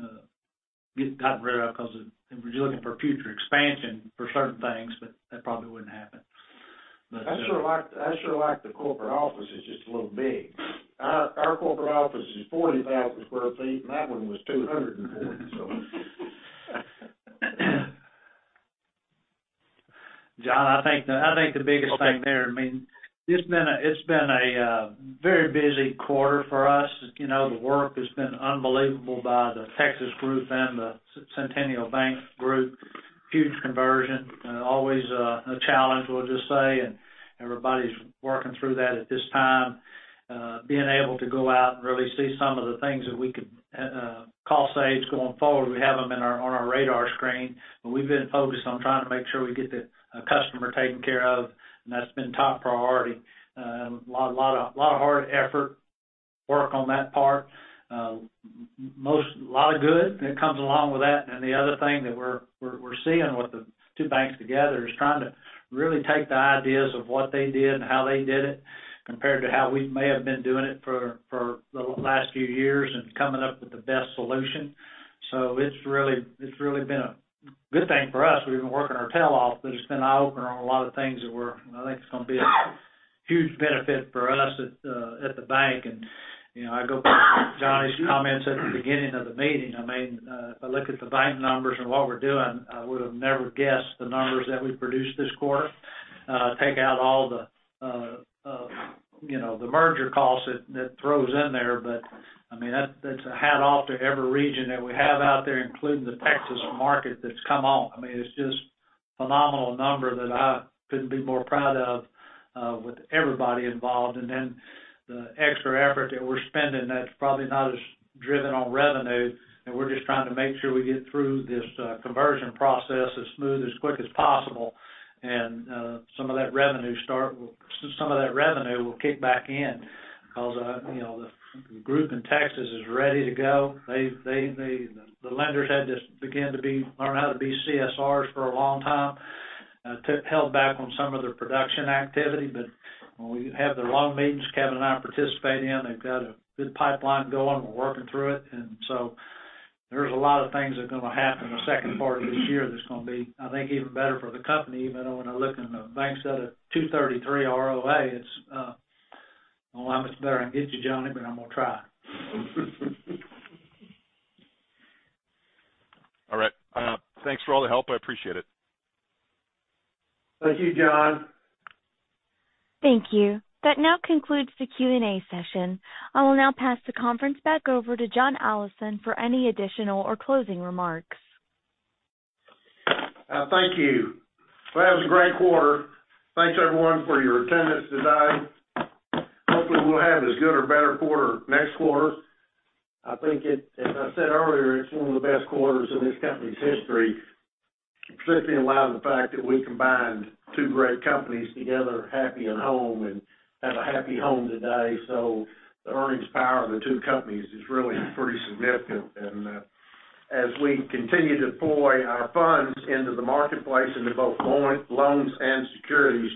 gotten rid of because if we're looking for future expansion for certain things, but that probably wouldn't happen. I sure like the corporate office. It's just a little big. Our corporate office is 40,000 sq ft, and that one was 240 sq ft.Jon Arfstrom, I think the biggest thing there, I mean, it's been a very busy quarter for us. You know, the work has been unbelievable by the Texas group and the Centennial Bank group. Huge conversion, always a challenge, we'll just say, and everybody's working through that at this time. Being able to go out and really see some of the things that we could call stage going forward, we have them on our radar screen, but we've been focused on trying to make sure we get the customer taken care of, and that's been top priority. A lot of hard effort work on that part. A lot of good that comes along with that. The other thing that we're seeing with the two banks together is trying to really take the ideas of what they did and how they did it compared to how we may have been doing it for the last few years and coming up with the best solution. It's really been a good thing for us. We've been working our tail off, but it's been an eye-opener on a lot of things that we're. I think it's going to be a huge benefit for us at the bank. You know, I go back to John's comments at the beginning of the meeting. I mean, if I look at the bank numbers and what we're doing, I would have never guessed the numbers that we produced this quarter. Take out all the, you know, the merger costs that throws in there. I mean, that's a hats off to every region that we have out there, including the Texas market that's come on. I mean, it's just phenomenal number that I couldn't be more proud of, with everybody involved. Then the extra effort that we're spending that's probably not as driven on revenue, and we're just trying to make sure we get through this, conversion process as smooth, as quick as possible. Some of that revenue will kick back in because, you know, the group in Texas is ready to go. The lenders had to learn how to be CSRs for a long time, that held back on some of their production activity. When we have their loan meetings, Kevin and I participate in, they've got a good pipeline going. We're working through it. There's a lot of things that are going to happen in the second part of this year that's going to be, I think, even better for the company. Even though when I look at the bank's 2.33 ROA, it's good. I'm not much better at it, John, but I'm going to try. All right. Thanks for all the help. I appreciate it. Thank you, John. Thank you. That now concludes the Q&A session. I will now pass the conference back over to John Allison for any additional or closing remarks. Thank you. Well, that was a great quarter. Thanks, everyone, for your attendance today. Hopefully, we'll have as good or better quarter next quarter. I think it, as I said earlier, it's one of the best quarters in this company's history, completely in light of the fact that we combined two great companies together, Happy and Home, and have a Happy Home today. The earnings power of the two companies is really pretty significant. As we continue to deploy our funds into the marketplace into both loans and securities,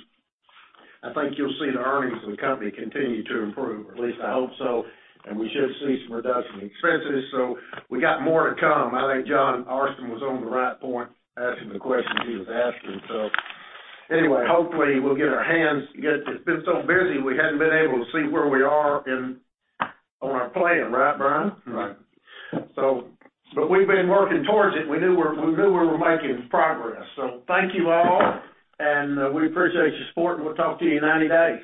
I think you'll see the earnings of the company continue to improve, or at least I hope so. We should see some reduction in expenses. We got more to come. I think Jon Arfstrom was on the right point asking the questions he was asking. Anyway, hopefully we'll get our hands. It's been so busy, we hadn't been able to see where we are in on our plan, right, Brian? Right. We've been working towards it. We knew we were making progress. Thank you all, and we appreciate your support, and we'll talk to you in 90 days.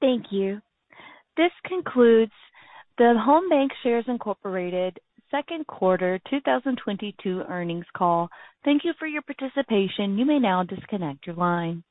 Thank you. This concludes the Home BancShares, Inc. second quarter 2022 earnings call. Thank you for your participation. You may now disconnect your line.